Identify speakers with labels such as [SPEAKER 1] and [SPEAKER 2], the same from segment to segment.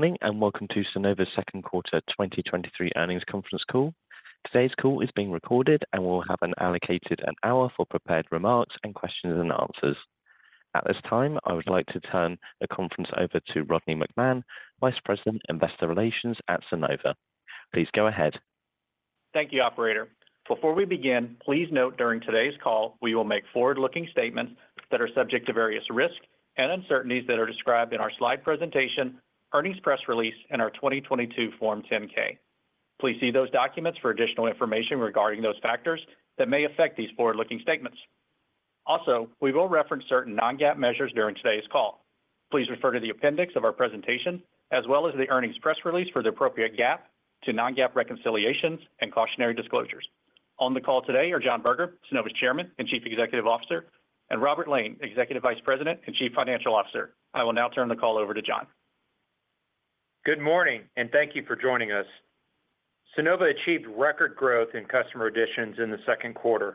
[SPEAKER 1] Good morning, welcome to Sunnova's Q2 2023 Earnings Conference Call. Today's call is being recorded, we'll have an allocated one hour for prepared remarks and questions and answers. At this time, I would like to turn the conference over to Rodney McMahan, Vice President, Investor Relations at Sunnova. Please go ahead.
[SPEAKER 2] Thank you, operator. Before we begin, please note during today's call, we will make forward-looking statements that are subject to various risks and uncertainties that are described in our slide presentation, earnings press release, and our 2022 Form 10-K. Please see those documents for additional information regarding those factors that may affect these forward-looking statements. We will reference certain non-GAAP measures during today's call. Please refer to the appendix of our presentation, as well as the earnings press release for the appropriate GAAP to non-GAAP reconciliations and cautionary disclosures. On the call today are John Berger, Sunnova's Chairman and Chief Executive Officer, and Robert Lane, Executive Vice President and Chief Financial Officer. I will now turn the call over to John.
[SPEAKER 3] Good morning, and thank you for joining us. Sunnova achieved record growth in customer additions in the Q2.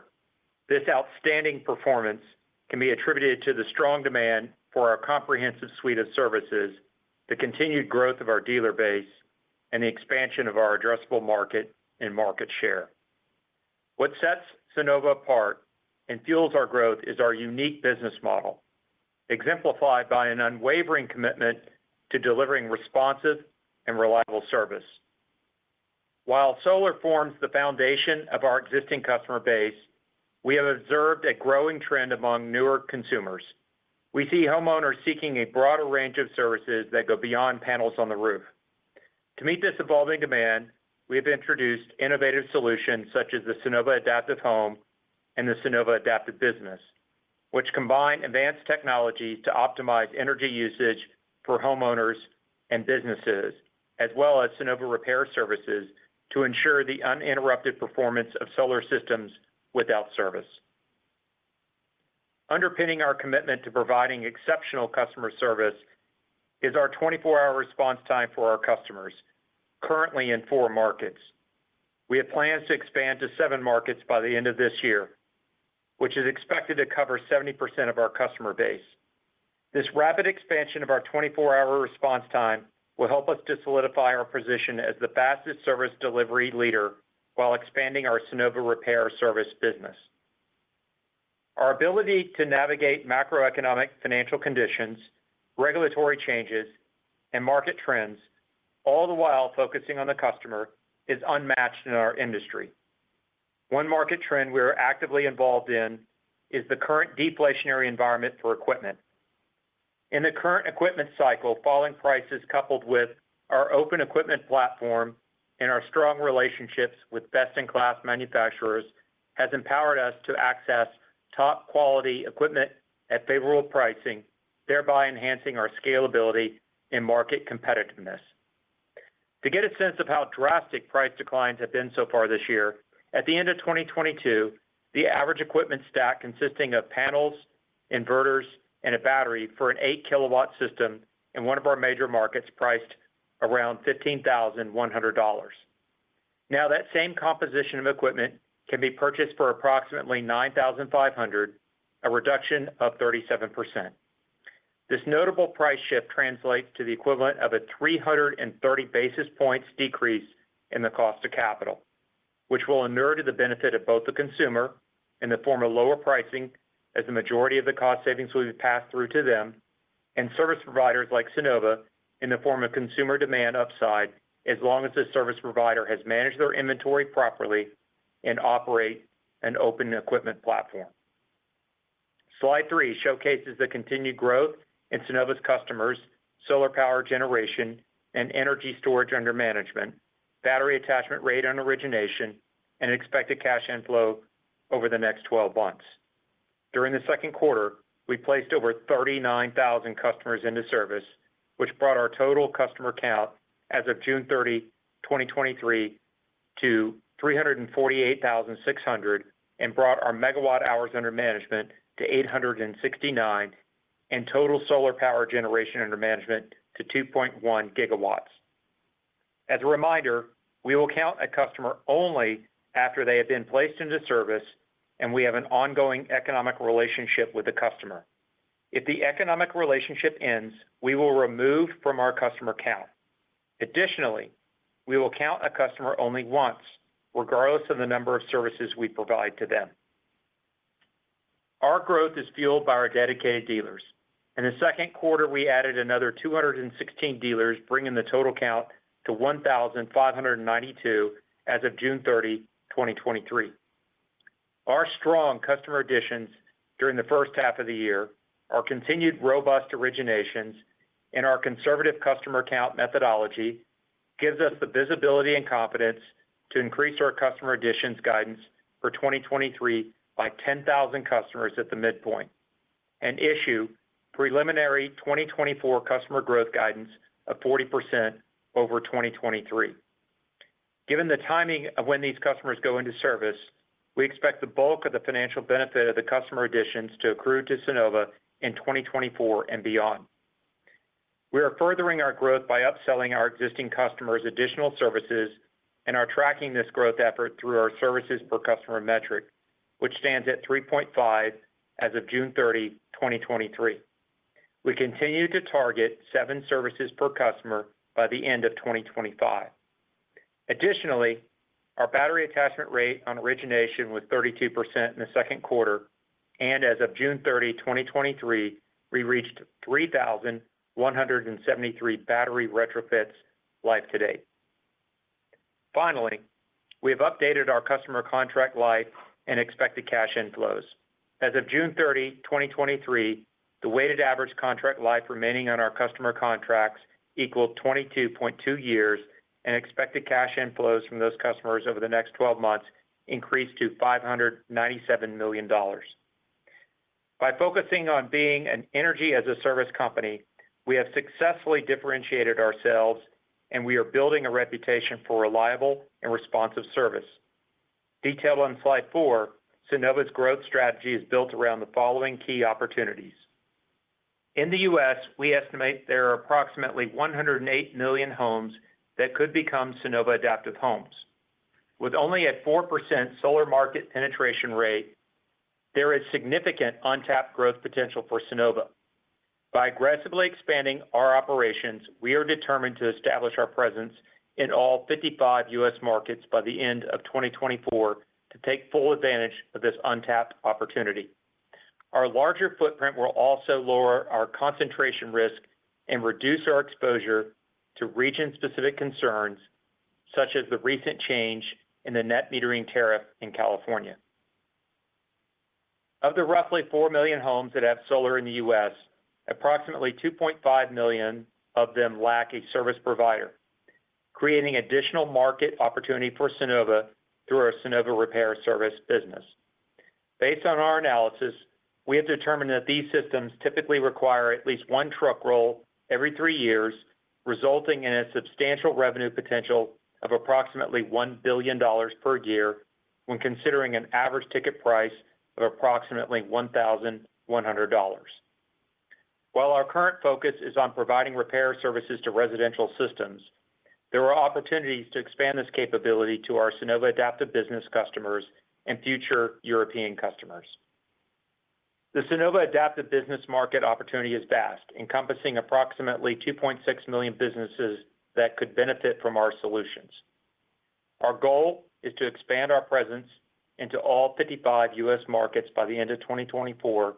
[SPEAKER 3] This outstanding performance can be attributed to the strong demand for our comprehensive suite of services, the continued growth of our dealer base, and the expansion of our addressable market and market share. What sets Sunnova apart and fuels our growth is our unique business model, exemplified by an unwavering commitment to delivering responsive and reliable service. While solar forms the foundation of our existing customer base, we have observed a growing trend among newer consumers. We see homeowners seeking a broader range of services that go beyond panels on the roof. To meet this evolving demand, we have introduced innovative solutions such as the Sunnova Adaptive Home and the Sunnova Adaptive Business, which combine advanced technology to optimize energy usage for homeowners and businesses, as well as Sunnova Repair Services to ensure the uninterrupted performance of solar systems without service. Underpinning our commitment to providing exceptional customer service is our 24-hour response time for our customers, currently in four markets. We have plans to expand to seven markets by the end of this year, which is expected to cover 70% of our customer base. This rapid expansion of our 24-hour response time will help us to solidify our position as the fastest service delivery leader while expanding our Sunnova repair service business. Our ability to navigate macroeconomic financial conditions, regulatory changes, and market trends, all the while focusing on the customer, is unmatched in our industry. One market trend we are actively involved in is the current deflationary environment for equipment. In the current equipment cycle, falling prices, coupled with our open equipment platform and our strong relationships with best-in-class manufacturers, has empowered us to access top-quality equipment at favorable pricing, thereby enhancing our scalability and market competitiveness. To get a sense of how drastic price declines have been so far this year, at the end of 2022, the average equipment stack consisting of panels, inverters, and a battery for an eight-kilowatt system in one of our major markets, priced around $15,100. Now, that same composition of equipment can be purchased for approximately $9,500, a reduction of 37%. This notable price shift translates to the equivalent of a 330 basis points decrease in the cost to capital, which will inure to the benefit of both the consumer in the form of lower pricing, as the majority of the cost savings will be passed through to them, and service providers like Sunnova in the form of consumer demand upside, as long as the service provider has managed their inventory properly and operate an open equipment platform. Slide three showcases the continued growth in Sunnova's customers, solar power generation and energy storage under management, battery attachment rate on origination, and expected cash inflow over the next 12 months. During the Q2, we placed over 39,000 customers into service, which brought our total customer count as of June 30, 2023, to 348,600, and brought our megawatt-hours under management to 869, and total solar power generation under management to 2.1 GW. As a reminder, we will count a customer only after they have been placed into service and we have an ongoing economic relationship with the customer. If the economic relationship ends, we will remove from our customer count. Additionally, we will count a customer only once, regardless of the number of services we provide to them. Our growth is fueled by our dedicated dealers. In the Q2, we added another 216 dealers, bringing the total count to 1,592 as of June 30, 2023. Our strong customer additions during the first half of the year, our continued robust originations, and our conservative customer count methodology gives us the visibility and confidence to increase our customer additions guidance for 2023 by 10,000 customers at the midpoint and issue preliminary 2024 customer growth guidance of 40% over 2023. Given the timing of when these customers go into service, we expect the bulk of the financial benefit of the customer additions to accrue to Sunnova in 2024 and beyond. We are furthering our growth by upselling our existing customers additional services and are tracking this growth effort through our services per customer metric. which stands at 3.5 as of June 30, 2023. We continue to target seven services per customer by the end of 2025. Our battery attachment rate on origination was 32% in the Q2, and as of June 30, 2023, we reached 3,173 battery retrofits life to date. We have updated our customer contract life and expected cash inflows. As of June 30, 2023, the weighted average contract life remaining on our customer contracts equaled 22.2 years, and expected cash inflows from those customers over the next 12 months increased to $597 million. By focusing on being an energy as a service company, we have successfully differentiated ourselves, and we are building a reputation for reliable and responsive service. Detailed on slide 4, Sunnova's growth strategy is built around the following key opportunities. In the U.S., we estimate there are approximately 108 million homes that could become Sunnova Adaptive Homes. With only a 4% solar market penetration rate, there is significant untapped growth potential for Sunnova. By aggressively expanding our operations, we are determined to establish our presence in all 55 U.S. markets by the end of 2024 to take full advantage of this untapped opportunity. Our larger footprint will also lower our concentration risk and reduce our exposure to region-specific concerns, such as the recent change in the net metering tariff in California. Of the roughly 4 million homes that have solar in the U.S., approximately 2.5 million of them lack a service provider, creating additional market opportunity for Sunnova through our Sunnova Repair Service business. Based on our analysis, we have determined that these systems typically require at least one truck roll every three years, resulting in a substantial revenue potential of approximately $1 billion per year when considering an average ticket price of approximately $1,100. While our current focus is on providing repair services to residential systems, there are opportunities to expand this capability to our Sunnova Adaptive Business customers and future European customers. The Sunnova Adaptive Business market opportunity is vast, encompassing approximately 2.6 million businesses that could benefit from our solutions. Our goal is to expand our presence into all 55 U.S. markets by the end of 2024,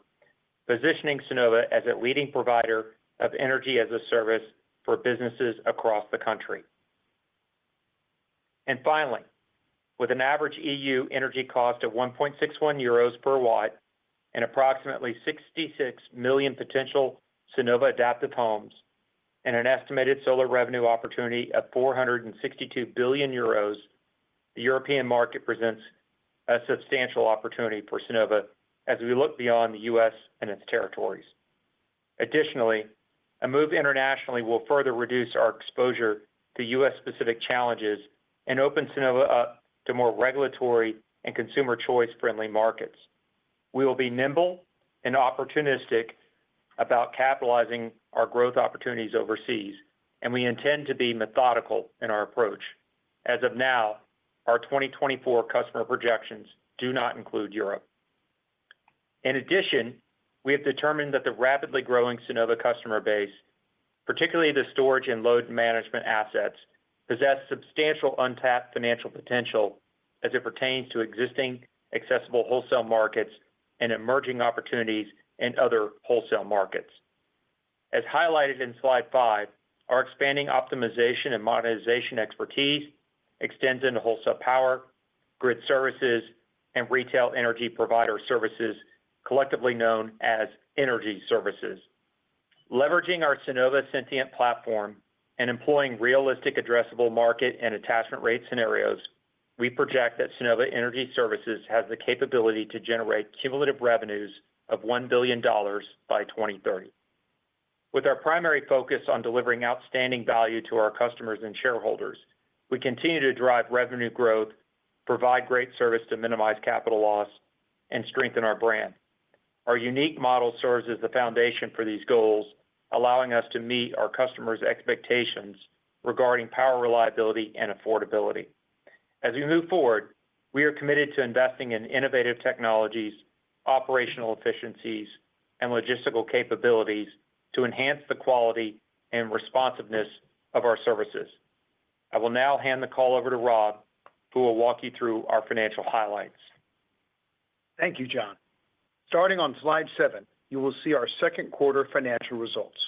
[SPEAKER 3] positioning Sunnova as a leading provider of energy as a service for businesses across the country. Finally, with an average EU energy cost of 1.61 euros per watt and approximately 66 million potential Sunnova Adaptive homes and an estimated solar revenue opportunity of 462 billion euros, the European market presents a substantial opportunity for Sunnova as we look beyond the U.S. and its territories. Additionally, a move internationally will further reduce our exposure to U.S.-specific challenges and open Sunnova up to more regulatory and consumer choice-friendly markets. We will be nimble and opportunistic about capitalizing our growth opportunities overseas, and we intend to be methodical in our approach. As of now, our 2024 customer projections do not include Europe. In addition, we have determined that the rapidly growing Sunnova customer base, particularly the storage and load management assets, possess substantial untapped financial potential as it pertains to existing accessible wholesale markets and emerging opportunities in other wholesale markets. As highlighted in slide five, our expanding optimization and monetization expertise extends into wholesale power, grid services, and retail energy provider services, collectively known as energy services. Leveraging our Sunnova Sentient platform and employing realistic addressable market and attachment rate scenarios, we project that Sunnova Energy Services has the capability to generate cumulative revenues of $1 billion by 2030. With our primary focus on delivering outstanding value to our customers and shareholders, we continue to drive revenue growth, provide great service to minimize capital loss, and strengthen our brand. Our unique model serves as the foundation for these goals, allowing us to meet our customers' expectations regarding power, reliability, and affordability. As we move forward, we are committed to investing in innovative technologies, operational efficiencies, and logistical capabilities to enhance the quality and responsiveness of our services. I will now hand the call over to Rob, who will walk you through our financial highlights.
[SPEAKER 4] Thank you, John. Starting on slide seven, you will see our Q2 financial results.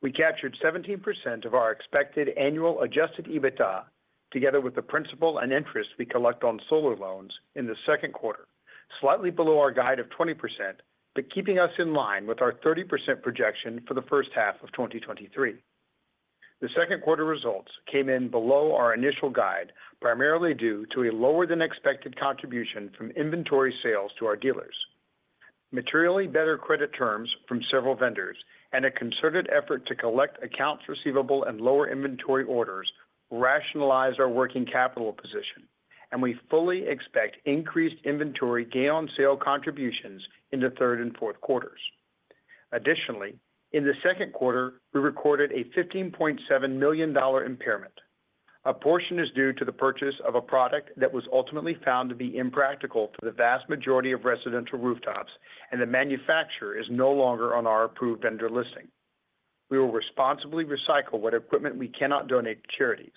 [SPEAKER 4] We captured 17% of our expected annual Adjusted EBITDA, together with the principal and interest we collect on solar loans in the Q2, slightly below our guide of 20%, but keeping us in line with our 30% projection for the first half of 2023. The Q2 results came in below our initial guide, primarily due to a lower than expected contribution from inventory sales to our dealers. Materially better credit terms from several vendors and a concerted effort to collect accounts receivable and lower inventory orders rationalized our working capital position, and we fully expect increased inventory gain on sale contributions in the third and Q4s. Additionally, in the Q2, we recorded a $15.7 million impairment. A portion is due to the purchase of a product that was ultimately found to be impractical for the vast majority of residential rooftops, and the manufacturer is no longer on our approved vendor listing. We will responsibly recycle what equipment we cannot donate to charities.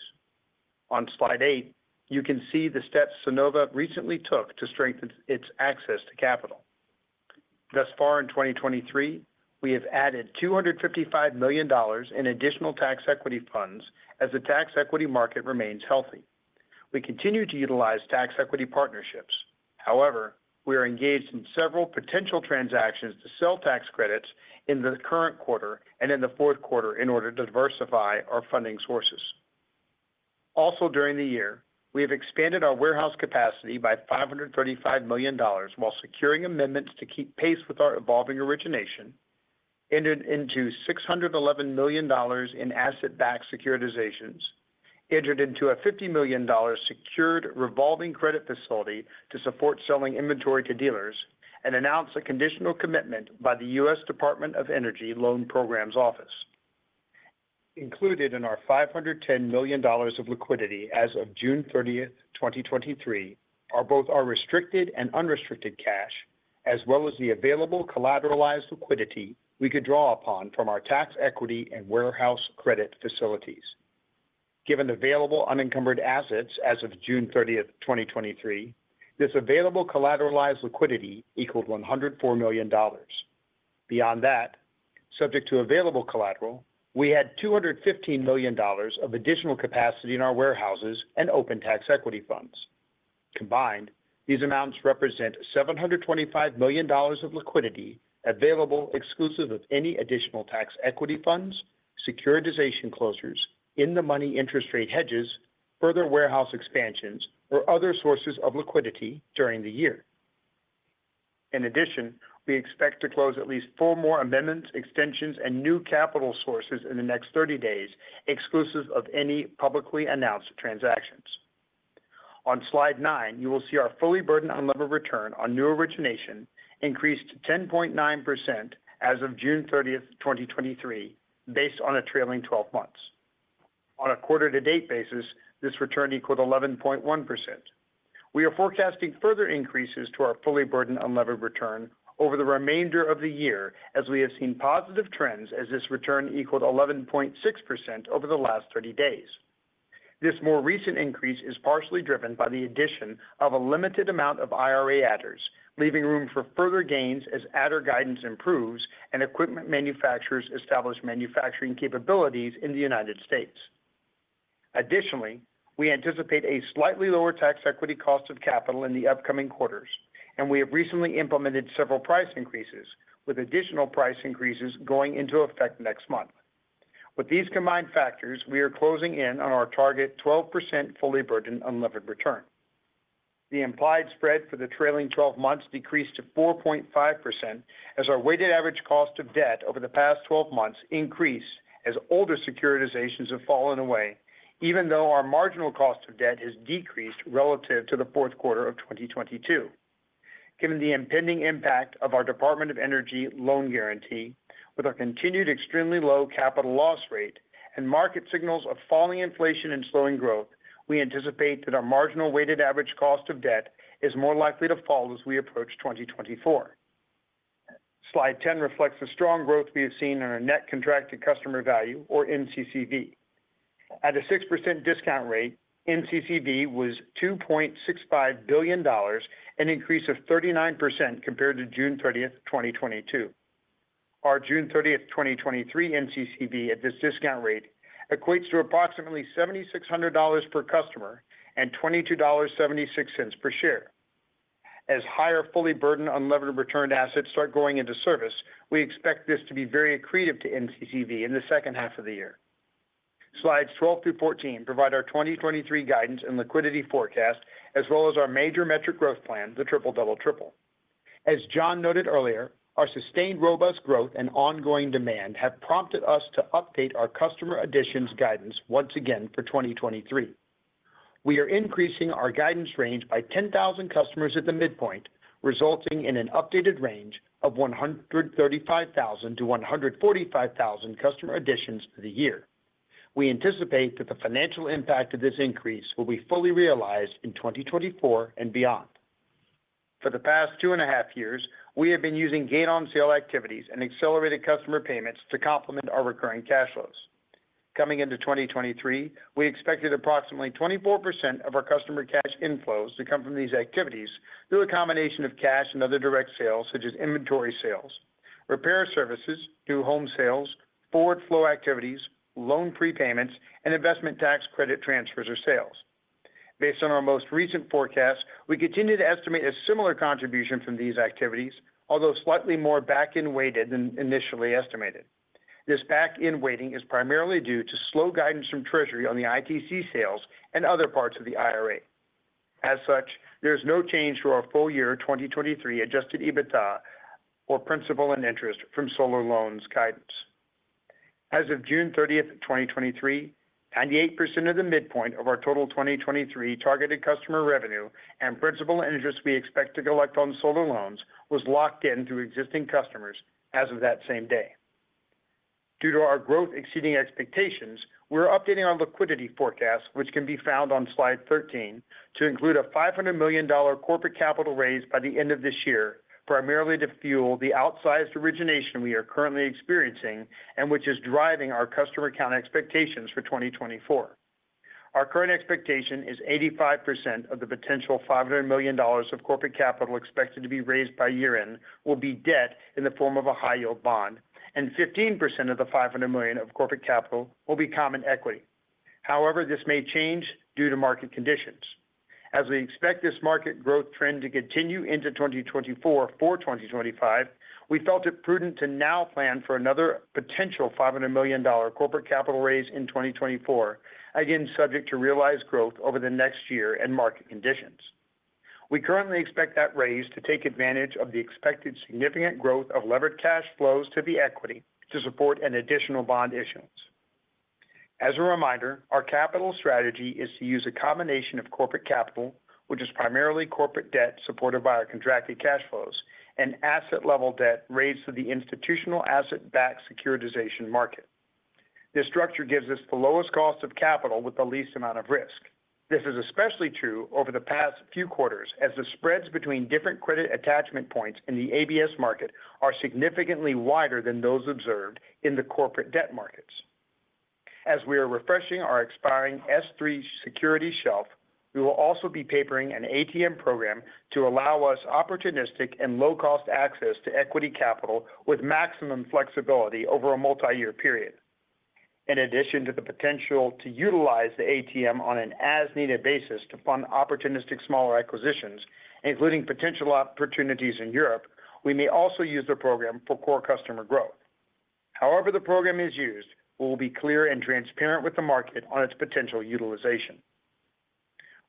[SPEAKER 4] On slide eight, you can see the steps Sunnova recently took to strengthen its access to capital. Thus far in 2023, we have added $255 million in additional tax equity funds as the tax equity market remains healthy. We continue to utilize tax equity partnerships. However, we are engaged in several potential transactions to sell tax credits in the current quarter and in the Q4 in order to diversify our funding sources. Also, during the year, we have expanded our warehouse capacity by $535 million while securing amendments to keep pace with our evolving origination, entered into $611 million in asset-backed securitizations, entered into a $50 million secured revolving credit facility to support selling inventory to dealers, and announced a conditional commitment by the U.S. Department of Energy Loan Programs Office. Included in our $510 million of liquidity as of June 30, 2023, are both our restricted and unrestricted cash, as well as the available collateralized liquidity we could draw upon from our tax equity and warehouse credit facilities. Given the available unencumbered assets as of June 30, 2023, this available collateralized liquidity equaled $104 million. Beyond that, subject to available collateral, we had $215 million of additional capacity in our warehouses and open tax equity funds. Combined, these amounts represent $725 million of liquidity available exclusive of any additional tax equity funds, securitization closures in the money interest rate hedges, further warehouse expansions, or other sources of liquidity during the year. We expect to close at least four more amendments, extensions, and new capital sources in the next 30 days, exclusive of any publicly announced transactions. On slide nine, you will see our fully burdened unlevered return on new origination increased to 10.9% as of June thirtieth, 2023, based on a trailing 12 months. On a quarter-to-date basis, this return equaled 11.1%. We are forecasting further increases to our fully burdened unlevered return over the remainder of the year, as we have seen positive trends as this return equaled 11.6% over the last 30 days. This more recent increase is partially driven by the addition of a limited amount of IRA adders, leaving room for further gains as adder guidance improves and equipment manufacturers establish manufacturing capabilities in the United States. We anticipate a slightly lower tax equity cost of capital in the upcoming quarters, and we have recently implemented several price increases, with additional price increases going into effect next month. With these combined factors, we are closing in on our target 12% fully burdened unlevered return. The implied spread for the trailing 12 months decreased to 4.5%, as our weighted average cost of debt over the past 12 months increased as older securitizations have fallen away, even though our marginal cost of debt has decreased relative to the Q4 of 2022. Given the impending impact of our Department of Energy loan guarantee, with our continued extremely low capital loss rate and market signals of falling inflation and slowing growth, we anticipate that our marginal weighted average cost of debt is more likely to fall as we approach 2024. Slide 10 reflects the strong growth we have seen in our net contracted customer value, or NCCV. At a 6% discount rate, NCCV was $2.65 billion, an increase of 39% compared to June 30th, 2022. Our June 30th, 2023 NCCV at this discount rate equates to approximately $7,600 per customer and $22.76 per share. As higher, fully burdened unlevered returned assets start going into service, we expect this to be very accretive to NCCV in the second half of the year. Slides 12 through 14 provide our 2023 guidance and liquidity forecast, as well as our major metric growth plan, the triple-double-triple. John noted earlier, our sustained, robust growth and ongoing demand have prompted us to update our customer additions guidance once again for 2023. We are increasing our guidance range by 10,000 customers at the midpoint, resulting in an updated range of 135,000-145,000 customer additions for the year. We anticipate that the financial impact of this increase will be fully realized in 2024 and beyond. For the past 2.5 years, we have been using gain on sale activities and accelerated customer payments to complement our recurring cash flows. Coming into 2023, we expected approximately 24% of our customer cash inflows to come from these activities through a combination of cash and other direct sales, such as inventory sales, repair services through home sales, forward flow activities, loan prepayments, and investment tax credit transfers or sales. Based on our most recent forecast, we continue to estimate a similar contribution from these activities, although slightly more back-end weighted than initially estimated. This back-end weighting is primarily due to slow guidance from Treasury on the ITC sales and other parts of the IRA. As such, there is no change to our full year, 2023 Adjusted EBITDA or principal and interest from solar loans guidance. As of June 30, 2023, 98% of the midpoint of our total 2023 targeted customer revenue and principal interest we expect to collect on solar loans was locked in through existing customers as of that same day. Due to our growth exceeding expectations, we're updating our liquidity forecast, which can be found on slide 13, to include a $500 million corporate capital raise by the end of this year, primarily to fuel the outsized origination we are currently experiencing, and which is driving our customer count expectations for 2024. Our current expectation is 85% of the potential $500 million of corporate capital expected to be raised by year-end will be debt in the form of a high-yield bond, and 15% of the $500 million of corporate capital will be common equity. However, this may change due to market conditions. As we expect this market growth trend to continue into 2024 for 2025, we felt it prudent to now plan for another potential $500 million corporate capital raise in 2024, again, subject to realized growth over the next year and market conditions. We currently expect that raise to take advantage of the expected significant growth of levered cash flows to the equity to support an additional bond issuance. As a reminder, our capital strategy is to use a combination of corporate capital, which is primarily corporate debt supported by our contracted cash flows and asset level debt raised through the institutional asset-backed securitization market. This structure gives us the lowest cost of capital with the least amount of risk. This is especially true over the past few quarters, as the spreads between different credit attachment points in the ABS market are significantly wider than those observed in the corporate debt markets. As we are refreshing our expiring S-3 security shelf, we will also be papering an ATM program to allow us opportunistic and low-cost access to equity capital with maximum flexibility over a multi-year period. In addition to the potential to utilize the ATM on an as-needed basis to fund opportunistic smaller acquisitions, including potential opportunities in Europe, we may also use the program for core customer growth. However the program is used, we will be clear and transparent with the market on its potential utilization.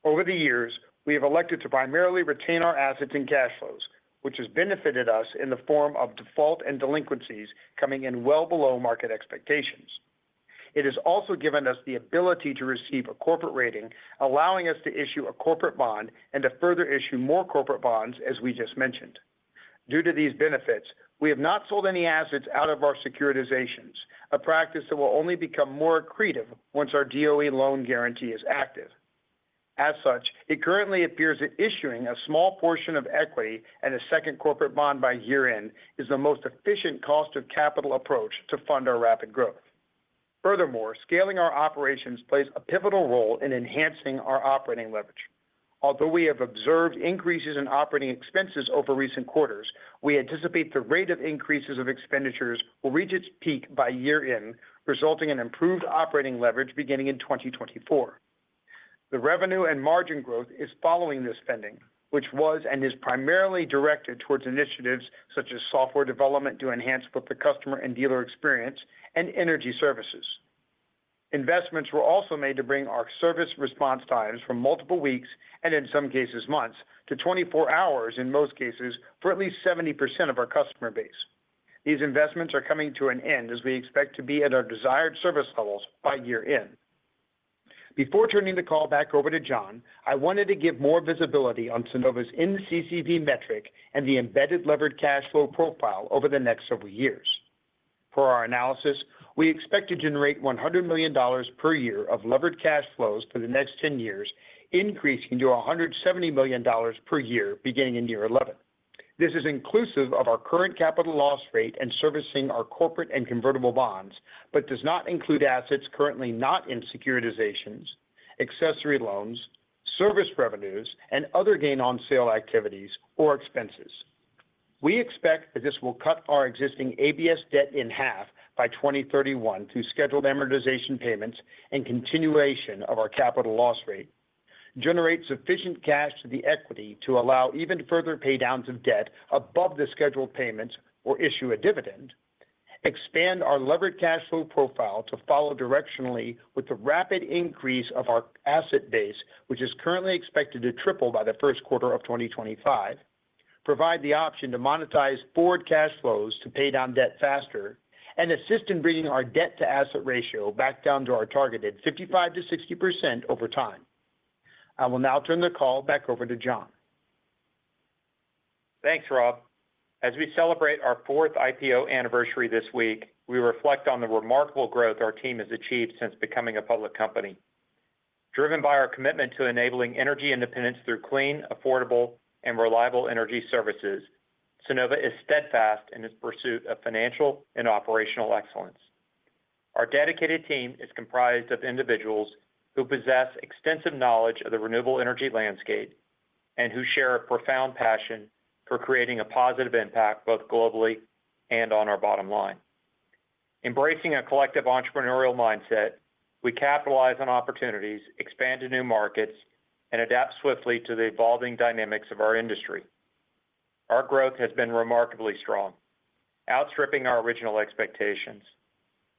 [SPEAKER 4] Over the years, we have elected to primarily retain our assets and cash flows, which has benefited us in the form of default and delinquencies coming in well below market expectations. It has also given us the ability to receive a corporate rating, allowing us to issue a corporate bond and to further issue more corporate bonds, as we just mentioned. Due to these benefits, we have not sold any assets out of our securitizations, a practice that will only become more accretive once our DOE loan guarantee is active. As such, it currently appears that issuing a small portion of equity and a second corporate bond by year-end is the most efficient cost of capital approach to fund our rapid growth. Furthermore, scaling our operations plays a pivotal role in enhancing our operating leverage. Although we have observed increases in operating expenses over recent quarters, we anticipate the rate of increases of expenditures will reach its peak by year-end, resulting in improved operating leverage beginning in 2024. The revenue and margin growth is following this spending, which was and is primarily directed towards initiatives such as software development to enhance both the customer and dealer experience and energy services. Investments were also made to bring our service response times from multiple weeks, and in some cases months, to 24 hours in most cases, for at least 70% of our customer base. These investments are coming to an end as we expect to be at our desired service levels by year-end. Before turning the call back over to John, I wanted to give more visibility on Sunnova's NCCV metric and the embedded levered cash flow profile over the next several years. Per our analysis, we expect to generate $100 million per year of levered cash flows for the next 10 years, increasing to $170 million per year beginning in year 11. This is inclusive of our current capital loss rate and servicing our corporate and convertible bonds, but does not include assets currently not in securitizations, accessory loans, service revenues, and other gain on sale activities or expenses. We expect that this will cut our existing ABS debt in half by 2031 through scheduled amortization payments and continuation of our capital loss rate, generate sufficient cash to the equity to allow even further pay downs of debt above the scheduled payments or issue a dividend, expand our levered cash flow profile to follow directionally with the rapid increase of our asset base, which is currently expected to triple by the Q1 of 2025. Provide the option to monetize forward cash flows to pay down debt faster and assist in bringing our debt to asset ratio back down to our targeted 55%-60% over time. I will now turn the call back over to John.
[SPEAKER 3] Thanks, Rob. As we celebrate our 4th IPO anniversary this week, we reflect on the remarkable growth our team has achieved since becoming a public company. Driven by our commitment to enabling energy independence through clean, affordable, and reliable energy services, Sunnova is steadfast in its pursuit of financial and operational excellence. Our dedicated team is comprised of individuals who possess extensive knowledge of the renewable energy landscape and who share a profound passion for creating a positive impact both globally and on our bottom line. Embracing a collective entrepreneurial mindset, we capitalize on opportunities, expand to new markets, and adapt swiftly to the evolving dynamics of our industry. Our growth has been remarkably strong, outstripping our original expectations.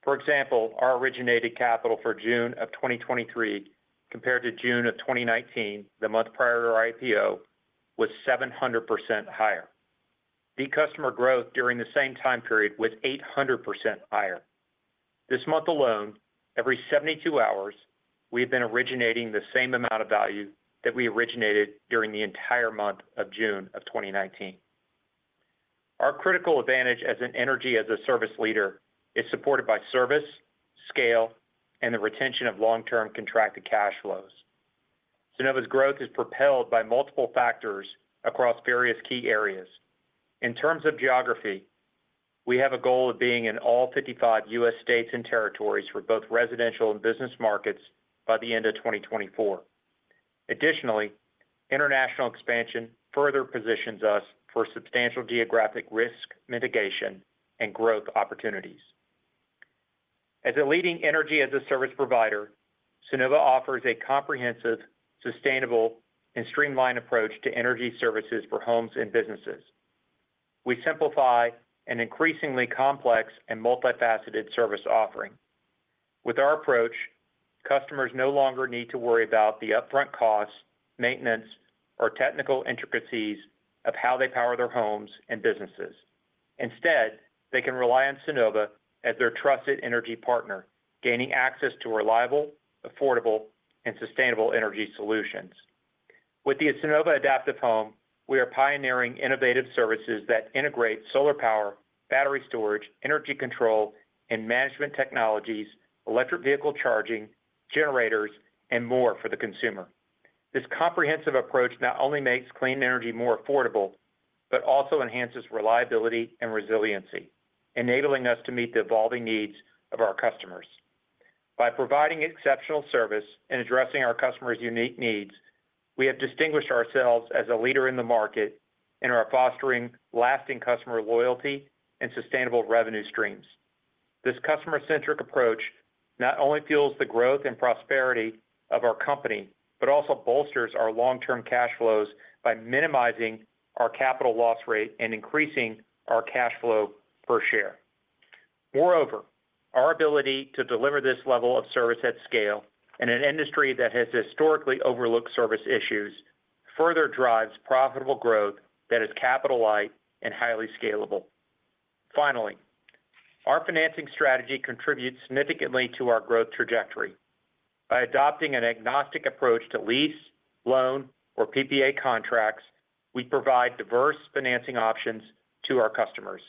[SPEAKER 3] For example, our originated capital for June of 2023, compared to June of 2019, the month prior to our IPO, was 700% higher. The customer growth during the same time period was 800% higher. This month alone, every 72 hours, we've been originating the same amount of value that we originated during the entire month of June of 2019. Our critical advantage as an Energy as a Service leader, is supported by service, scale, and the retention of long-term contracted cash flows. Sunnova's growth is propelled by multiple factors across various key areas. In terms of geography, we have a goal of being in all 55 U.S. states and territories for both residential and business markets by the end of 2024. International expansion further positions us for substantial geographic risk mitigation and growth opportunities. As a leading Energy as a Service provider, Sunnova offers a comprehensive, sustainable, and streamlined approach to energy services for homes and businesses. We simplify an increasingly complex and multifaceted service offering. With our approach, customers no longer need to worry about the upfront costs, maintenance, or technical intricacies of how they power their homes and businesses. Instead, they can rely on Sunnova as their trusted energy partner, gaining access to reliable, affordable, and sustainable energy solutions. With the Sunnova Adaptive Home, we are pioneering innovative services that integrate solar power, battery storage, energy control, and management technologies, electric vehicle charging, generators, and more for the consumer. This comprehensive approach not only makes clean energy more affordable, but also enhances reliability and resiliency, enabling us to meet the evolving needs of our customers. By providing exceptional service and addressing our customers' unique needs, we have distinguished ourselves as a leader in the market and are fostering lasting customer loyalty and sustainable revenue streams. This customer-centric approach not only fuels the growth and prosperity of our company, but also bolsters our long-term cash flows by minimizing our capital loss rate and increasing our cash flow per share. Moreover, our ability to deliver this level of service at scale in an industry that has historically overlooked service issues, further drives profitable growth that is capital light and highly scalable. Finally, our financing strategy contributes significantly to our growth trajectory. By adopting an agnostic approach to lease, loan, or PPA contracts, we provide diverse financing options to our customers.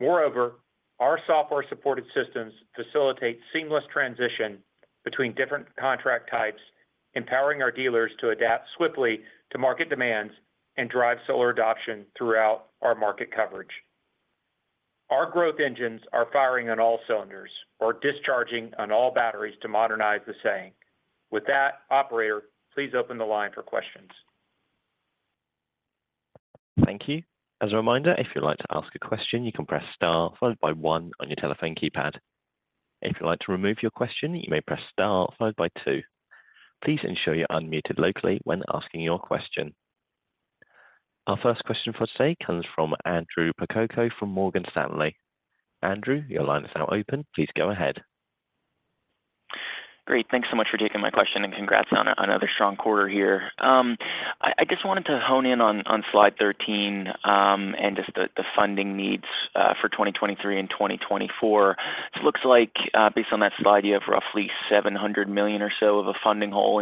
[SPEAKER 3] Moreover, our software-supported systems facilitate seamless transition between different contract types, empowering our dealers to adapt swiftly to market demands and drive solar adoption throughout our market coverage. Our growth engines are firing on all cylinders or discharging on all batteries to modernize the saying. With that, operator, please open the line for questions.
[SPEAKER 1] Thank you. As a reminder, if you'd like to ask a question, you can press star followed by one on your telephone keypad. If you'd like to remove your question, you may press star followed by two. Please ensure you're unmuted locally when asking your question. Our first question for today comes from Andrew Percoco from Morgan Stanley. Andrew, your line is now open. Please go ahead.
[SPEAKER 5] Great. Thanks so much for taking my question, congrats on another strong quarter here. I just wanted to hone in on slide 13, the funding needs for 2023 and 2024. It looks like based on that slide, you have roughly $700 million or so of a funding hole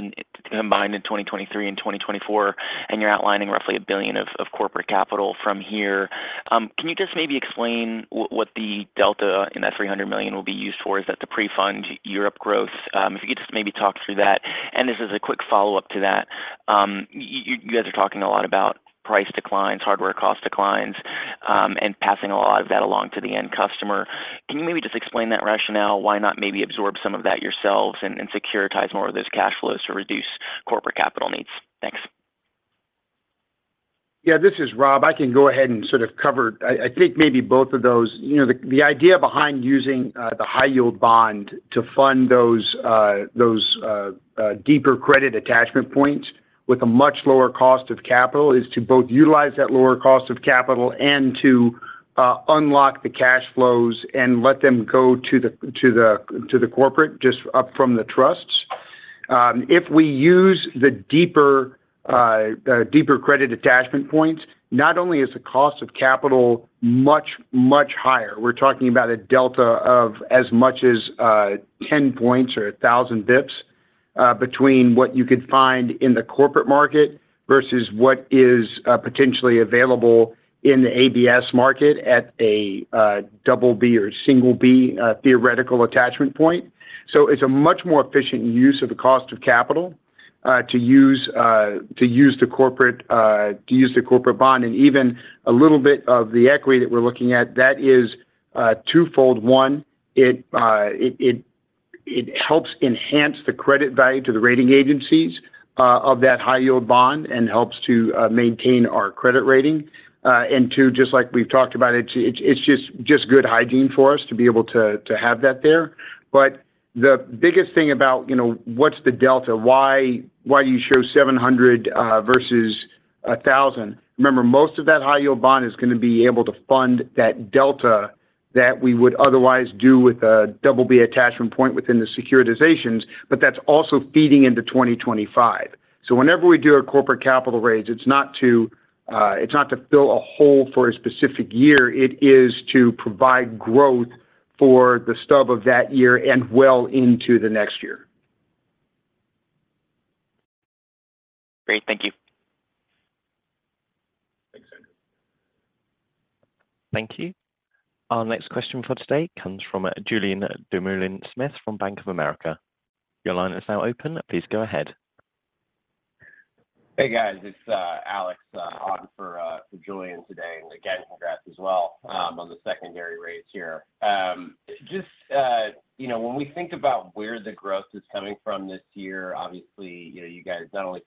[SPEAKER 5] combined in 2023 and 2024, you're outlining roughly $1 billion of corporate capital from here. Can you just maybe explain what the delta in that $300 million will be used for? Is that to pre-fund Europe growth? If you could just maybe talk through that. This is a quick follow-up to that. You guys are talking a lot about price declines, hardware cost declines, passing a lot of that along to the end customer. Can you maybe just explain that rationale? Why not maybe absorb some of that yourselves and securitize more of those cash flows to reduce corporate capital needs? Thanks.
[SPEAKER 4] Yeah, this is Rob. I can go ahead and sort of cover, I think maybe both of those. You know, the idea behind using the high-yield bond to fund those deeper credit attachment points with a much lower cost of capital, is to both utilize that lower cost of capital and to unlock the cash flows and let them go to the corporate, just up from the trusts. If we use the deeper credit attachment points, not only is the cost of capital much higher, we're talking about a delta of as much as 10 points or 1,000 basis points between what you could find in the corporate market versus what is potentially available in the ABS market at a Double B or Single B theoretical attachment point. It's a much more efficient use of the cost of capital, to use the corporate bond, and even a little bit of the equity that we're looking at. That is twofold. One, it helps enhance the credit value to the rating agencies of that high-yield bond and helps to maintain our credit rating. Two, just like we've talked about, it's just good hygiene for us to be able to have that there. The biggest thing about, what's the delta? Why do you show $700 versus $1,000? Remember, most of that high-yield bond is going to be able to fund that delta. That we would otherwise do with a double B attachment point within the securitizations, but that's also feeding into 2025. Whenever we do our corporate capital raise, it's not to fill a hole for a specific year. It is to provide growth for the stub of that year and well into the next year.
[SPEAKER 5] Great. Thank you.
[SPEAKER 4] Thanks, Andrew.
[SPEAKER 1] Thank you. Our next question for today comes from Julien Dumoulin-Smith, from Bank of America. Your line is now open. Please go ahead.
[SPEAKER 6] Hey, guys, it's Alex on for Julian today. Again, congrats as well on the secondary raise here. Just, you know, when we think about where the growth is coming from this year, obviously, you know, you guys not only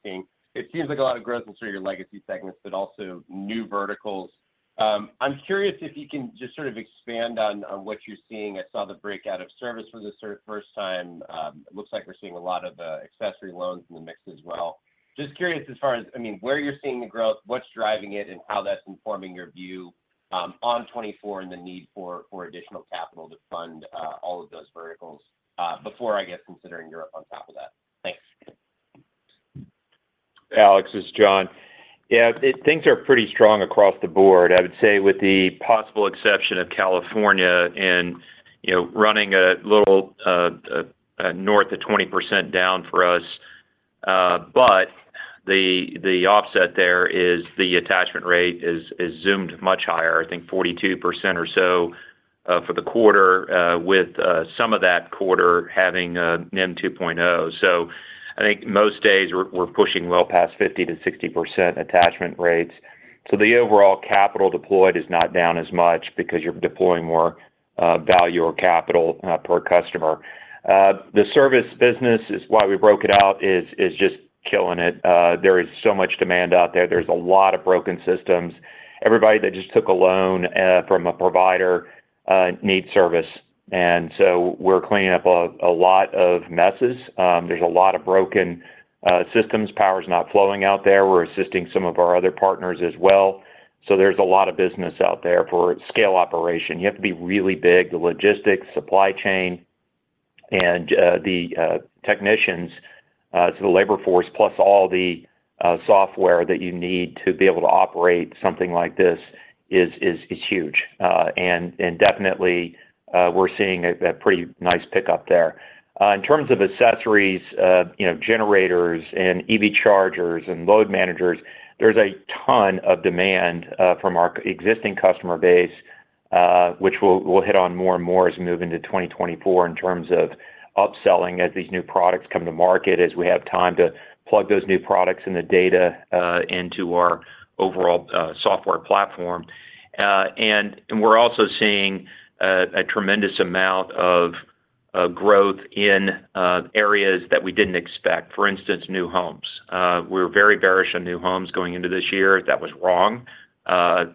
[SPEAKER 6] it seems like a lot of growth is through your legacy segments, but also new verticals. I'm curious if you can just sort of expand on what you're seeing. I saw the breakout of service for the first time. It looks like we're seeing a lot of the accessory loans in the mix as well. Just curious, as far as, I mean, where you're seeing the growth, what's driving it, and how that's informing your view on 2024 and the need for additional capital to fund all of those verticals, before, I guess, considering Europe on top of that. Thanks.
[SPEAKER 3] Alex, this is John. Yeah, things are pretty strong across the board, I would say, with the possible exception of California and, you know, running a little north of 20% down for us. The offset there is the attachment rate is zoomed much higher, I think 42% or so for the quarter, with some of that quarter having NEM 2.0. I think most days we're pushing well past 50%-60% attachment rates. The overall capital deployed is not down as much because you're deploying more value or capital per customer. The service business is why we broke it out. It's just killing it. There is so much demand out there. There's a lot of broken systems. Everybody that just took a loan from a provider needs service, and so we're cleaning up a lot of messes. There's a lot of broken systems. Power's not flowing out there. We're assisting some of our other partners as well. There's a lot of business out there for scale operation. You have to be really big. The logistics, supply chain, and the technicians, so the labor force, plus all the software that you need to be able to operate something like this is huge. Definitely, we're seeing a pretty nice pickup there. In terms of accessories, you know, generators and EV chargers and load managers, there's a ton of demand from our existing customer base, which we'll hit on more and more as we move into 2024 in terms of upselling as these new products come to market, as we have time to plug those new products and the data into our overall software platform. We're also seeing a tremendous amount of growth in areas that we didn't expect. For instance, new homes. We were very bearish on new homes going into this year. That was wrong.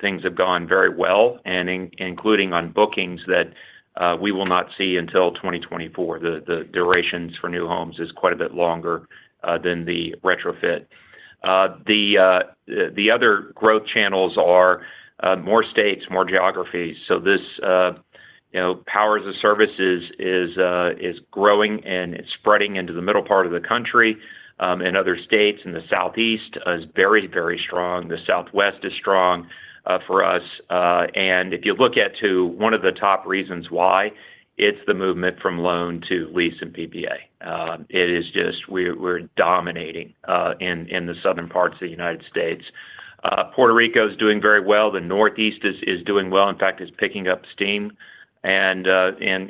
[SPEAKER 3] Things have gone very well and including on bookings that we will not see until 2024. The, the durations for new homes is quite a bit longer than the retrofit. The other growth channels are more states, more geographies. This, you know, power as a services is growing, and it's spreading into the middle part of the country, and other states. The Southeast is very, very strong. The Southwest is strong for us. If you look at to one of the top reasons why, it's the movement from loan to lease and PPA. It is just we're dominating in the southern parts of the United States. Puerto Rico is doing very well. The Northeast is doing well. In fact, it's picking up steam.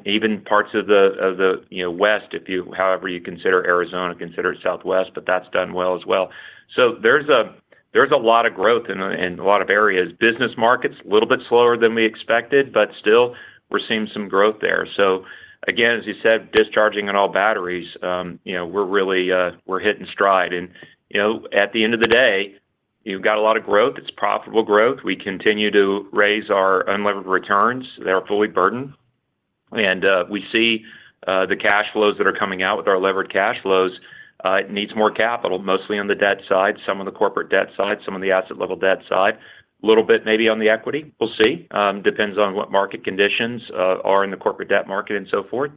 [SPEAKER 3] Even parts of the, you know, West, however you consider Arizona, consider it Southwest, but that's done well as well. There's a lot of growth in a lot of areas. Business markets, a little bit slower than we expected, but still we're seeing some growth there. Again, as you said, discharging on all batteries, you know, we're really hitting stride. You know, at the end of the day, you've got a lot of growth. It's profitable growth. We continue to raise our unlevered returns. They are fully burdened, and we see the cash flows that are coming out with our levered cash flows, needs more capital, mostly on the debt side, some on the corporate debt side, some on the asset level debt side, a little bit maybe on the equity. We'll see, depends on what market conditions are in the corporate debt market and so forth.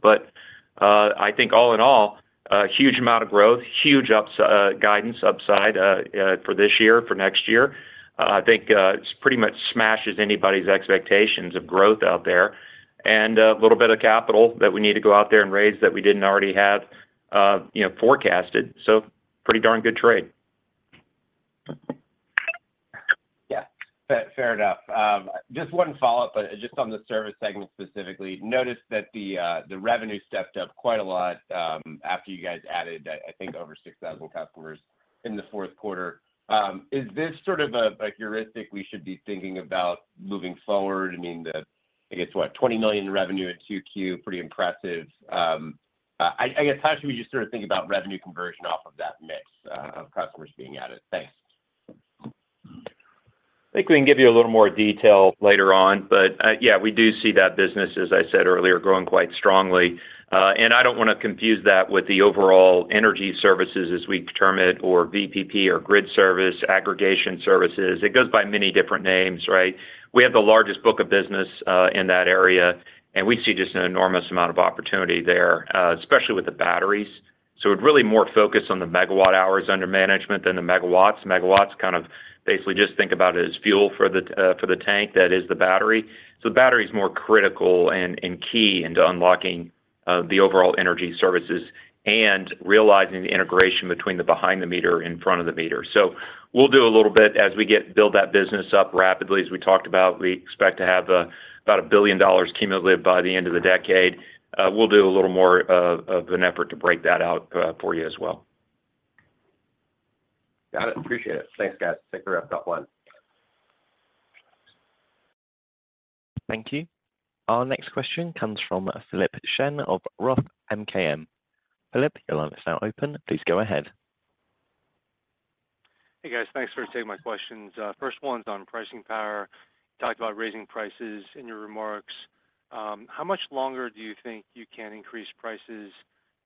[SPEAKER 3] I think all in all, a huge amount of growth, huge guidance upside for this year, for next year. I think it pretty much smashes anybody's expectations of growth out there and a little bit of capital that we need to go out there and raise that we didn't already have, you know, forecasted. Pretty darn good trade.
[SPEAKER 6] Yeah, fair enough. Just one follow-up, just on the service segment specifically. Noticed that the revenue stepped up quite a lot, after you guys added, I think, over 6,000 customers in the Q4. Is this sort of a heuristic we should be thinking about moving forward? I mean, the, I guess, what, $20 million in revenue at 2Q, pretty impressive. I guess, how should we just sort of think about revenue conversion off of that mix of customers being added? Thanks.
[SPEAKER 3] I think we can give you a little more detail later on, but, yeah, we do see that business, as I said earlier, growing quite strongly. I don't want to confuse that with the overall energy services as we determine it, or VPP, or grid service, aggregation services. It goes by many different names, right? We have the largest book of business, in that area, and we see just an enormous amount of opportunity there, especially with the batteries. It would really more focus on the megawatt hours under management than the megawatts. Megawatts kind of basically just think about it as fuel for the tank, that is the battery. The battery is more critical and key into unlocking, the overall energy services and realizing the integration between the behind the meter, in front of the meter. We'll do a little bit as we build that business up rapidly. As we talked about, we expect to have about $1 billion cumulatively by the end of the decade. We'll do a little more of an effort to break that out for you as well.
[SPEAKER 6] Got it. Appreciate it. Thanks, guys. Take care. Got one.
[SPEAKER 1] Thank you. Our next question comes from Philip Shen of Roth MKM. Philip, your line is now open. Please go ahead.
[SPEAKER 7] Hey, guys. Thanks for taking my questions. First one's on pricing power. You talked about raising prices in your remarks. How much longer do you think you can increase prices?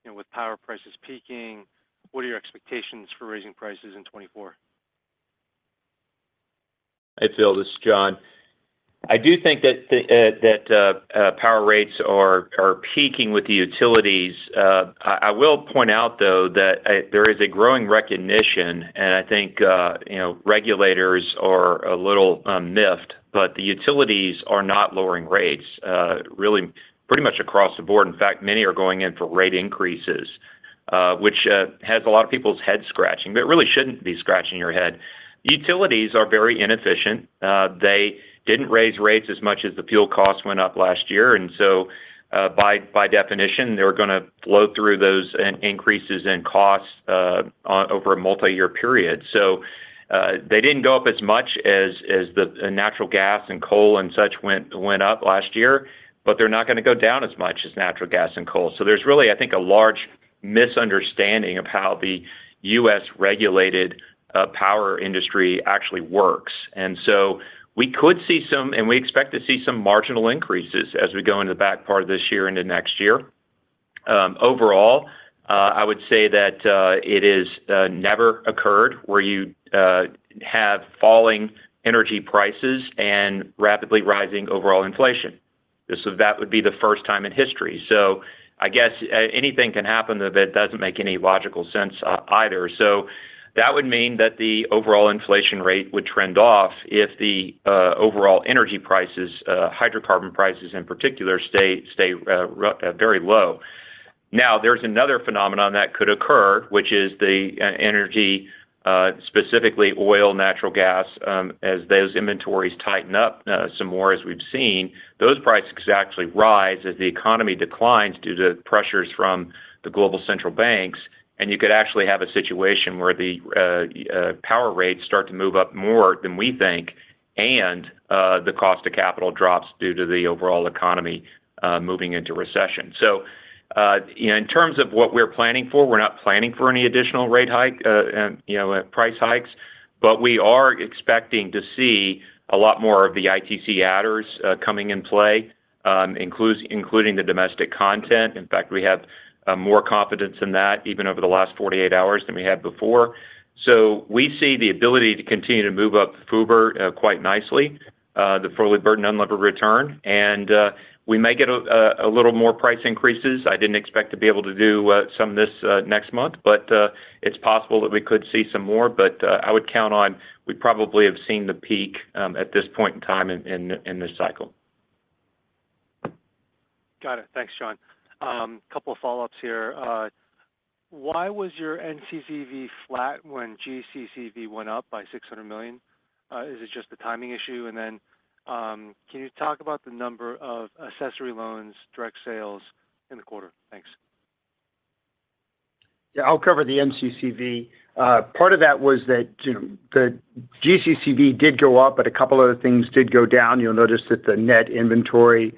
[SPEAKER 7] You know, with power prices peaking, what are your expectations for raising prices in 2024?
[SPEAKER 3] Hey, Phil, this is John. I do think that the power rates are peaking with the utilities. I will point out, though, that there is a growing recognition, and I think, you know, regulators are a little miffed, but the utilities are not lowering rates really pretty much across the board. In fact, many are going in for rate increases, which has a lot of people's heads scratching, but really shouldn't be scratching your head. Utilities are very inefficient. They didn't raise rates as much as the fuel costs went up last year, by definition, they're going to flow through those increases in costs over a multi-year period. They didn't go up as much as the natural gas and coal and such went up last year, but they're not going to go down as much as natural gas and coal. There's really, I think, a large misunderstanding of how the U.S. regulated power industry actually works. We could see some, and we expect to see some marginal increases as we go into the back part of this year into next year. Overall, I would say that it is never occurred where you have falling energy prices and rapidly rising overall inflation. That would be the first time in history. I guess anything can happen, though that doesn't make any logical sense either. That would mean that the overall inflation rate would trend off if the overall energy prices, hydrocarbon prices, in particular, stay very low. Now, there's another phenomenon that could occur, which is the energy, specifically oil, natural gas, as those inventories tighten up some more, as we've seen, those prices actually rise as the economy declines due to pressures from the global central banks, and you could actually have a situation where the power rates start to move up more than we think, and the cost of capital drops due to the overall economy moving into recession. In terms of what we're planning for, we're not planning for any additional rate hike, and, you know, price hikes, but we are expecting to see a lot more of the ITC adders coming in play, including the domestic content. In fact, we have more confidence in that, even over the last 48 hours than we had before. We see the ability to continue to move up the FUBR quite nicely, the fully burdened unlevered return, and we may get a little more price increases. I didn't expect to be able to do some of this next month, it's possible that we could see some more. I would count on we probably have seen the peak at this point in time in this cycle.
[SPEAKER 7] Got it. Thanks, John. A couple of follow-ups here. Why was your NCCV flat when GCCV went up by $600 million? Is it just a timing issue? Can you talk about the number of accessory loans, direct sales in the quarter? Thanks.
[SPEAKER 4] I'll cover the NCCV. Part of that was that, you know, the GCCV did go up, but a couple of other things did go down. You'll notice that the net inventory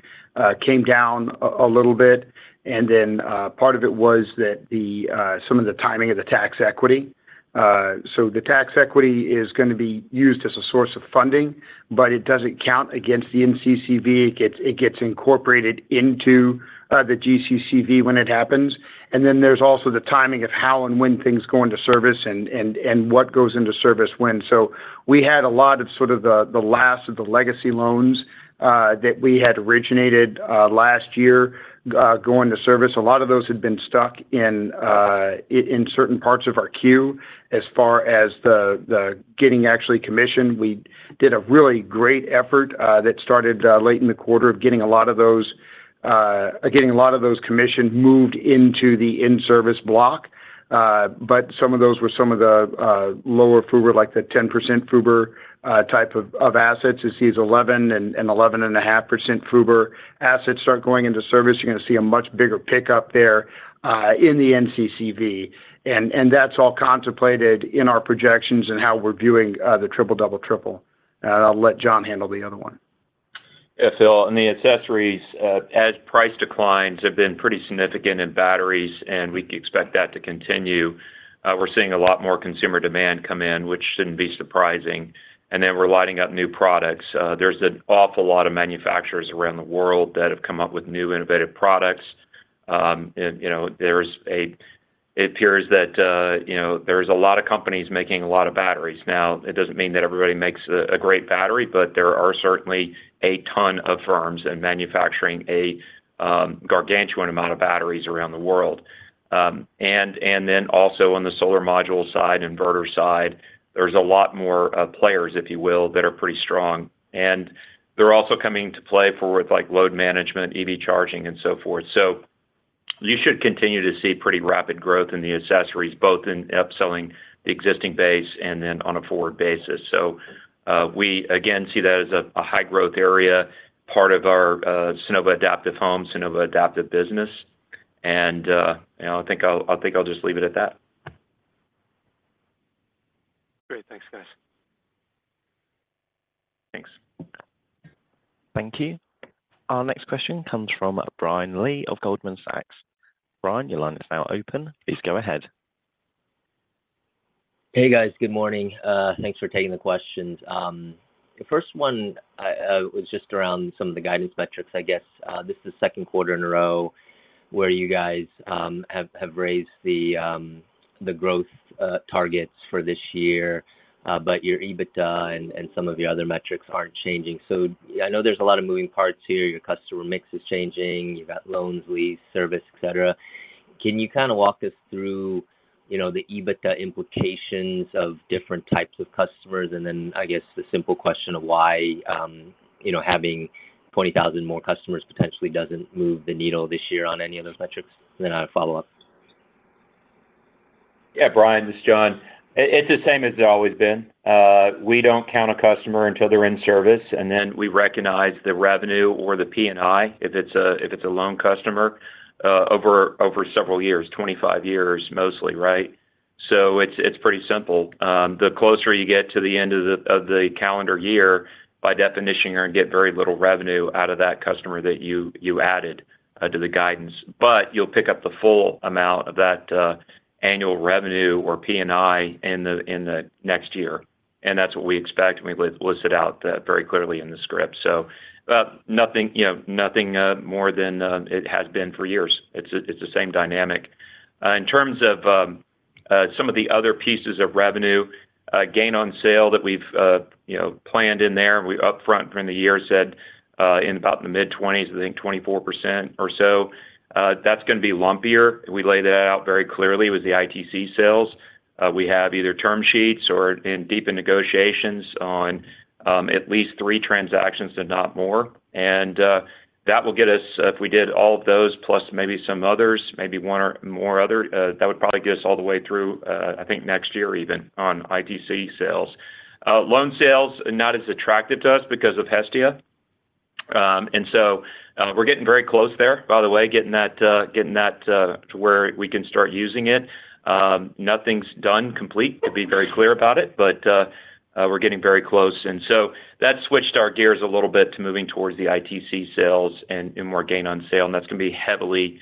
[SPEAKER 4] came down a little bit, and then part of it was that the some of the timing of the tax equity. The tax equity is going to be used as a source of funding, but it doesn't count against the NCCV. It gets incorporated into the GCCV when it happens. There's also the timing of how and when things go into service and what goes into service when. We had a lot of sort of the last of the legacy loans that we had originated last year go into service. A lot of those had been stuck in certain parts of our queue. As far as getting actually commissioned, we did a really great effort that started late in the quarter of getting a lot of those commissioned moved into the in-service block. Some of those were some of the lower FUBR, like the 10% FUBR, type of assets. You see 11.5% FUBR assets start going into service. You're going to see a much bigger pickup there in the NCCV. That's all contemplated in our projections and how we're viewing the triple, double, triple. I'll let John handle the other one.
[SPEAKER 3] Phil, the accessories, as price declines, have been pretty significant in batteries. We expect that to continue. We're seeing a lot more consumer demand come in, which shouldn't be surprising. Then we're lighting up new products. There's an awful lot of manufacturers around the world that have come up with new, innovative products. You know, it appears that, you know, there's a lot of companies making a lot of batteries. It doesn't mean that everybody makes a great battery, but there are certainly a ton of firms and manufacturing a gargantuan amount of batteries around the world. Then also on the solar module side, inverter side, there's a lot more players, if you will, that are pretty strong. They're also coming to play for with, like, load management, EV charging, and so forth. You should continue to see pretty rapid growth in the accessories, both in upselling the existing base and then on a forward basis. We again see that as a high-growth area, part of our Sunnova Adaptive Home, Sunnova Adaptive Business. You know, I think I'll just leave it at that.
[SPEAKER 7] Great. Thanks, guys.
[SPEAKER 3] Thanks.
[SPEAKER 1] Thank you. Our next question comes from Brian Lee of Goldman Sachs. Brian, your line is now open. Please go ahead.
[SPEAKER 8] Hey, guys. Good morning. Thanks for taking the questions. The first one was just around some of the guidance metrics, I guess. This is the Q2 in a row where you guys have raised the growth targets for this year, but your EBITDA and some of your other metrics aren't changing. I know there's a lot of moving parts here. Your customer mix is changing, you've got loans, lease, service, et cetera. Can you kind of walk us through, you know, the EBITDA implications of different types of customers? Then, I guess, the simple question of why, you know, having 20,000 more customers potentially doesn't move the needle this year on any of those metrics? I'll follow up.
[SPEAKER 3] Yeah, Brian, this is John. It, it's the same as it's always been. Uh, we don't count a customer until they're in service, and then we recognize the revenue or the P&I, if it's a, if it's a loan customer, uh, over, over several years, twenty-five years, mostly, right? So it's, it's pretty simple. Um, the closer you get to the end of the, of the calendar year, by definition, you're going to get very little revenue out of that customer that you, you added, uh, to the guidance. But you'll pick up the full amount of that, uh, annual revenue or P&I in the, in the next year, and that's what we expect, and we've listed out the- very clearly in the script. So, uh, nothing, you know, nothing, uh, more than, um, it has been for years. It's the, it's the same dynamic. In terms of, some of the other pieces of revenue, gain on sale that we've, you know, planned in there, we upfront from the year said, in about the mid-20s, I think 24% or so, that's gonna be lumpier. We laid that out very clearly with the ITC sales. We have either term sheets or in deep in negotiations on, at least three transactions, if not more. That will get us. If we did all of those plus maybe some others, maybe one or more other, that would probably get us all the way through, I think next year, even on ITC sales. Loan sales are not as attractive to us because of Hestia. We're getting very close there, by the way, getting that, getting that, to where we can start using it. Nothing's done, complete, to be very clear about it, but, we're getting very close. That switched our gears a little bit to moving towards the ITC sales and more gain on sale, and that's gonna be heavily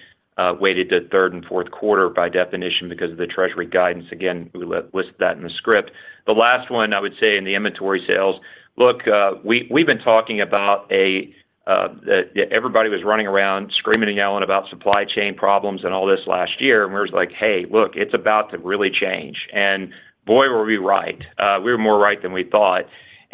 [SPEAKER 3] weighted to third and Q4, by definition, because of the Treasury guidance. Again, we list that in the script. The last one, I would say in the inventory sales. Look, we've been talking about. Everybody was running around screaming and yelling about supply chain problems and all this last year, and we were just like, "Hey, look, it's about to really change." Boy, were we right. We were more right than we thought.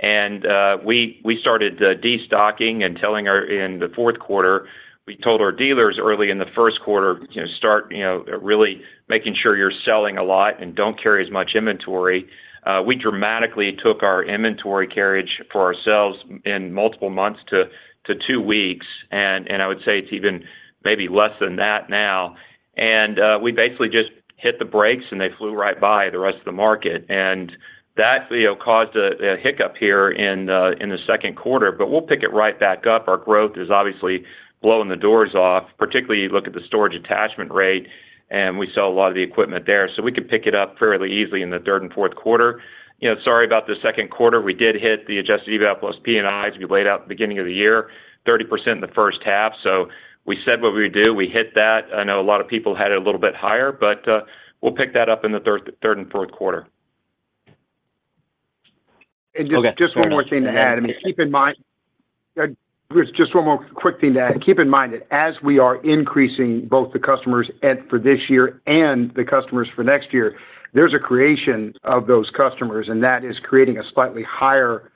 [SPEAKER 3] We started destocking and telling our in the Q4, we told our dealers early in the Q1, "You know, start, you know, really making sure you're selling a lot and don't carry as much inventory." We dramatically took our inventory carriage for ourselves in multiple months to two weeks, and I would say it's even maybe less than that now. We basically just hit the brakes, and they flew right by the rest of the market. That, you know, caused a hiccup here in the Q2, but we'll pick it right back up. Our growth is obviously blowing the doors off, particularly you look at the storage attachment rate, and we sell a lot of the equipment there. We can pick it up fairly easily in the third and Q4. You know, sorry about the Q2. We did hit the Adjusted EBITDA plus P&Is. We laid out at the beginning of the year, 30% in the first half, so we said what we would do, we hit that. I know a lot of people had it a little bit higher, but we'll pick that up in the third and Q4.
[SPEAKER 4] Just one more thing to add. I mean, just one more quick thing to add. Keep in mind that as we are increasing both the customers and for this year and the customers for next year, there's a creation of those customers, and that is creating a slightly higher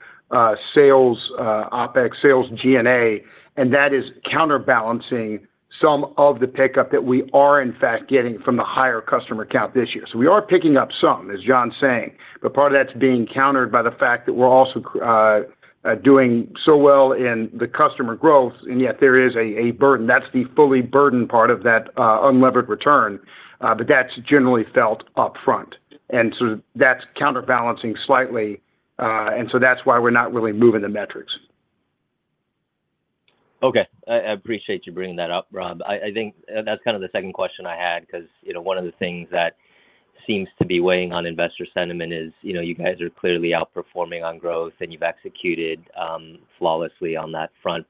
[SPEAKER 4] sales OpEx sales G&A, and that is counterbalancing some of the pickup that we are in fact getting from the higher customer count this year. We are picking up some, as John's saying, but part of that's being countered by the fact that we're also doing so well in the customer growth, and yet there is a burden. That's the fully burdened part of that unlevered return, but that's generally felt upfront. That's counterbalancing slightly, and so that's why we're not really moving the metrics.
[SPEAKER 8] Okay. I appreciate you bringing that up, Rob. I think that's kind of the second question I had, 'cause, you know, one of the things that seems to be weighing on investor sentiment is, you know, you guys are clearly outperforming on growth, and you've executed flawlessly on that front.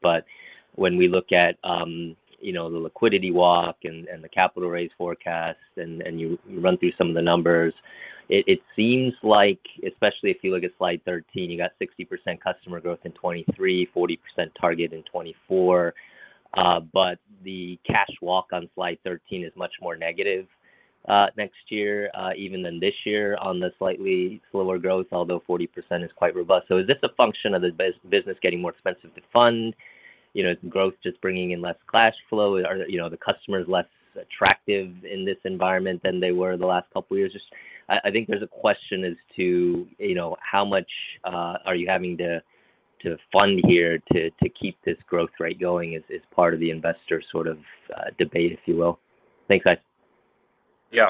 [SPEAKER 8] When we look at, you know, the liquidity walk and the capital raise forecasts, and you run through some of the numbers, it seems like, especially if you look at slide 13, you got 60% customer growth in 2023, 40% target in 2024, but the cash walk on slide 13 is much more negative next year even than this year on the slightly slower growth, although 40% is quite robust. Is this a function of the business getting more expensive to fund, you know, growth just bringing in less cash flow? Are, you know, the customers less attractive in this environment than they were in the last couple of years? Just, I think there's a question as to, you know, how much are you having to fund here to keep this growth rate going as part of the investor sort of debate, if you will. Thanks, guys.
[SPEAKER 3] Yeah.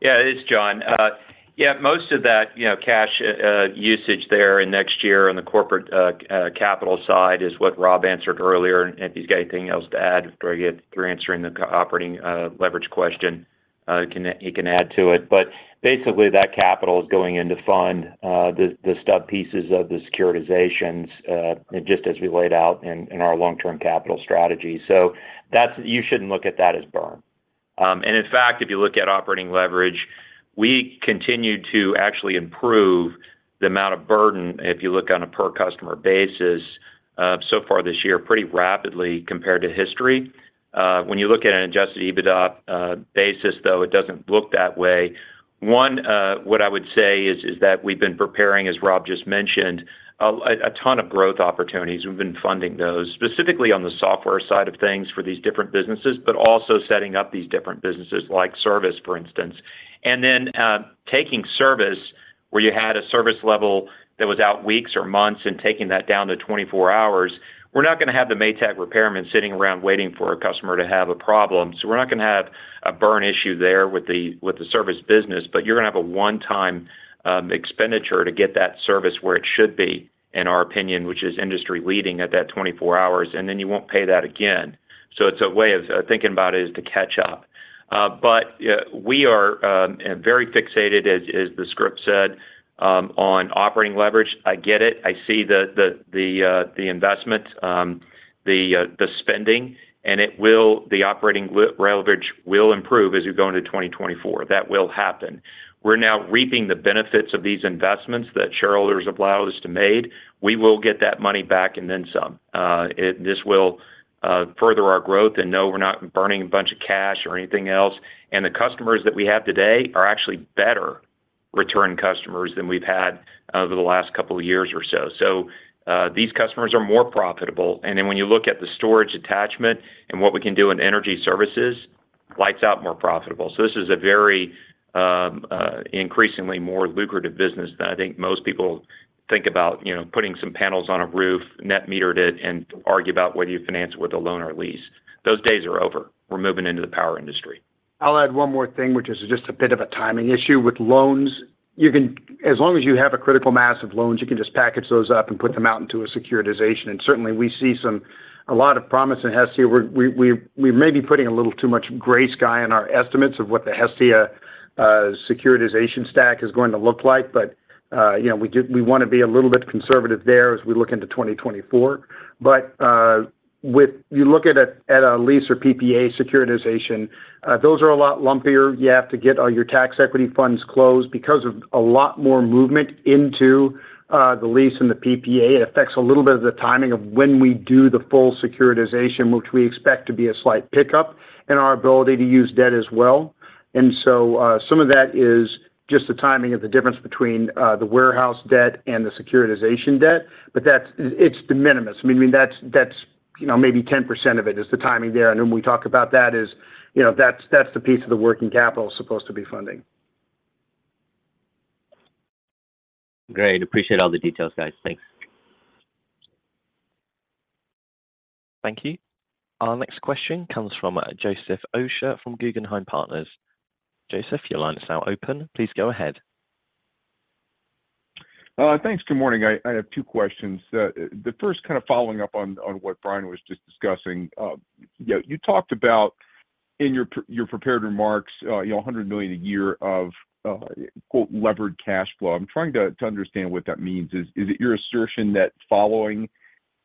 [SPEAKER 3] Yeah, it's John. Yeah, most of that, you know, cash usage there in next year on the corporate capital side is what Rob answered earlier. If he's got anything else to add after I get through answering the operating leverage question, he can add to it. Basically, that capital is going in to fund the stub pieces of the securitizations, just as we laid out in our long-term capital strategy. You shouldn't look at that as burn. In fact, if you look at operating leverage, we continue to actually improve the amount of burden, if you look on a per customer basis, so far this year, pretty rapidly compared to history. When you look at an Adjusted EBITDA basis, though, it doesn't look that way. One, what I would say is that we've been preparing, as Rob just mentioned, a ton of growth opportunities. We've been funding those, specifically on the software side of things for these different businesses, but also setting up these different businesses like service, for instance. Taking service, where you had a service level that was out weeks or months, and taking that down to 24 hours. We're not going to have the Maytag repairman sitting around waiting for a customer to have a problem, so we're not going to have a burn issue there with the service business. You're going to have a one-time expenditure to get that service where it should be, in our opinion, which is industry-leading at that 24 hours, and then you won't pay that again. It's a way of thinking about it is to catch up. We are very fixated, as the script said, on operating leverage. I get it. I see the investment, the spending, and the operating leverage will improve as we go into 2024. That will happen. We're now reaping the benefits of these investments that shareholders allow us to make. We will get that money back and then some. This will further our growth, and no, we're not burning a bunch of cash or anything else, and the customers that we have today are actually better return customers than we've had over the last couple of years or so. These customers are more profitable, and then when you look at the storage attachment and what we can do in Energy Services, lights out more profitable. This is a very, increasingly more lucrative business than I think most people think about, you know, putting some panels on a roof, net metered it, and argue about whether you finance it with a loan or a lease. Those days are over. We're moving into the power industry.
[SPEAKER 4] I'll add one more thing, which is just a bit of a timing issue. With loans, as long as you have a critical mass of loans, you can just package those up and put them out into a securitization. Certainly, we see a lot of promise in Hestia. We may be putting a little too much gray sky in our estimates of what the Hestia securitization stack is going to look like. You know, we want to be a little bit conservative there as we look into 2024. You look at a lease or PPA securitization, those are a lot lumpier. You have to get your tax equity funds closed. Because of a lot more movement into, the lease and the PPA, it affects a little bit of the timing of when we do the full securitization, which we expect to be a slight pickup in our ability to use debt as well. Some of that is just the timing of the difference between, the warehouse debt and the securitization debt, but it's de minimis. I mean, that's, you know, maybe 10% of it, is the timing there. When we talk about that is, you know, that's the piece of the working capital it's supposed to be funding.
[SPEAKER 8] Great. Appreciate all the details, guys. Thanks.
[SPEAKER 1] Thank you. Our next question comes from Joseph Osha from Guggenheim Partners. Joseph, your line is now open. Please go ahead.
[SPEAKER 9] Thanks. Good morning. I have two questions. The first kind of following up on what Brian was just discussing. You talked about in your prepared remarks, you know, $100 million a year of quote, "levered cash flow." I'm trying to understand what that means. Is it your assertion that following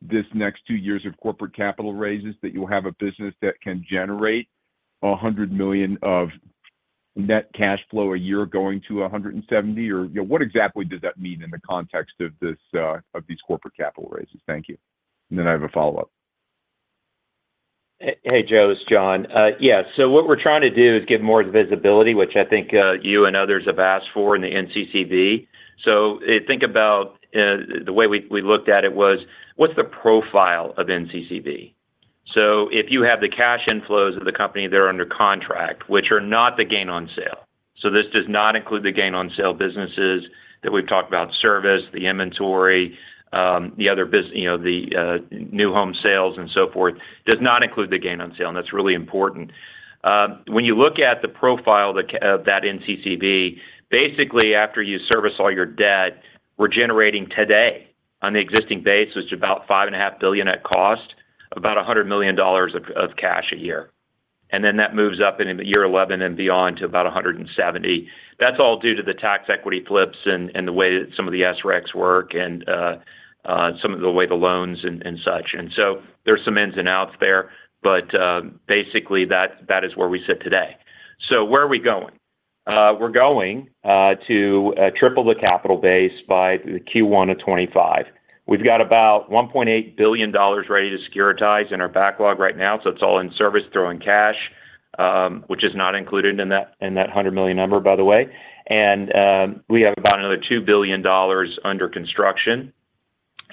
[SPEAKER 9] this next 2 years of corporate capital raises, that you'll have a business that can generate $100 million of net cash flow a year going to $170 million? Or, you know, what exactly does that mean in the context of these corporate capital raises? Thank you. I have a follow-up. Hey, Joe, it's John.
[SPEAKER 3] Yeah, what we're trying to do is give more visibility, which I think, you and others have asked for in the NCCB. Think about the way we looked at it was: What's the profile of NCCB? If you have the cash inflows of the company, they're under contract, which are not the gain on sale. This does not include the gain on sale businesses that we've talked about, service, the inventory, you know, the new home sales and so forth, does not include the gain on sale, and that's really important. When you look at the profile that NCCB, basically, after you service all your debt, we're generating today on the existing base, which is about $5.5 billion net cost, about $100 million of cash a year. That moves up into year 11 and beyond to about 170. That's all due to the tax equity flips and the way that some of the SRECs work and some of the way the loans and such. There's some ins and outs there, but basically, that is where we sit today. Where are we going? We're going to triple the capital base by the Q1 of 2025. We've got about $1.8 billion ready to securitize in our backlog right now, so it's all in service, throwing cash, which is not included in that $100 million number, by the way. We have about another $2 billion under construction.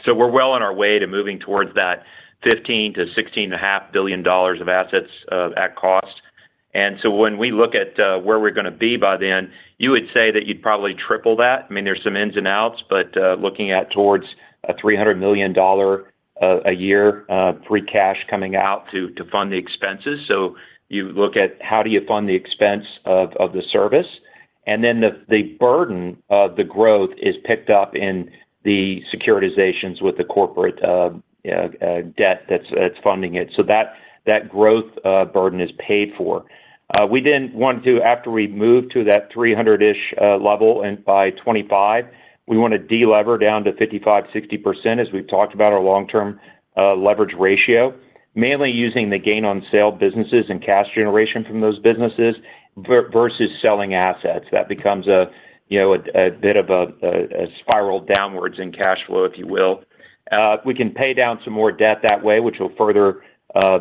[SPEAKER 3] We're well on our way to moving towards that $15 billion-$16.5 billion of assets at cost. When we look at where we're gonna be by then, you would say that you'd probably triple that. I mean, there's some ins and outs, but looking at towards a $300 million a year free cash coming out to fund the expenses. You look at how do you fund the expense of the service? The burden of the growth is picked up in the securitizations with the corporate debt that's funding it. That growth burden is paid for. We want after we've moved to that 300-ish level and by 2025, we want to delever down to 55%-60%, as we've talked about our long-term leverage ratio. Mainly using the gain on sale businesses and cash generation from those businesses, versus selling assets. That becomes a, you know, a bit of a spiral downwards in cash flow, if you will. We can pay down some more debt that way, which will further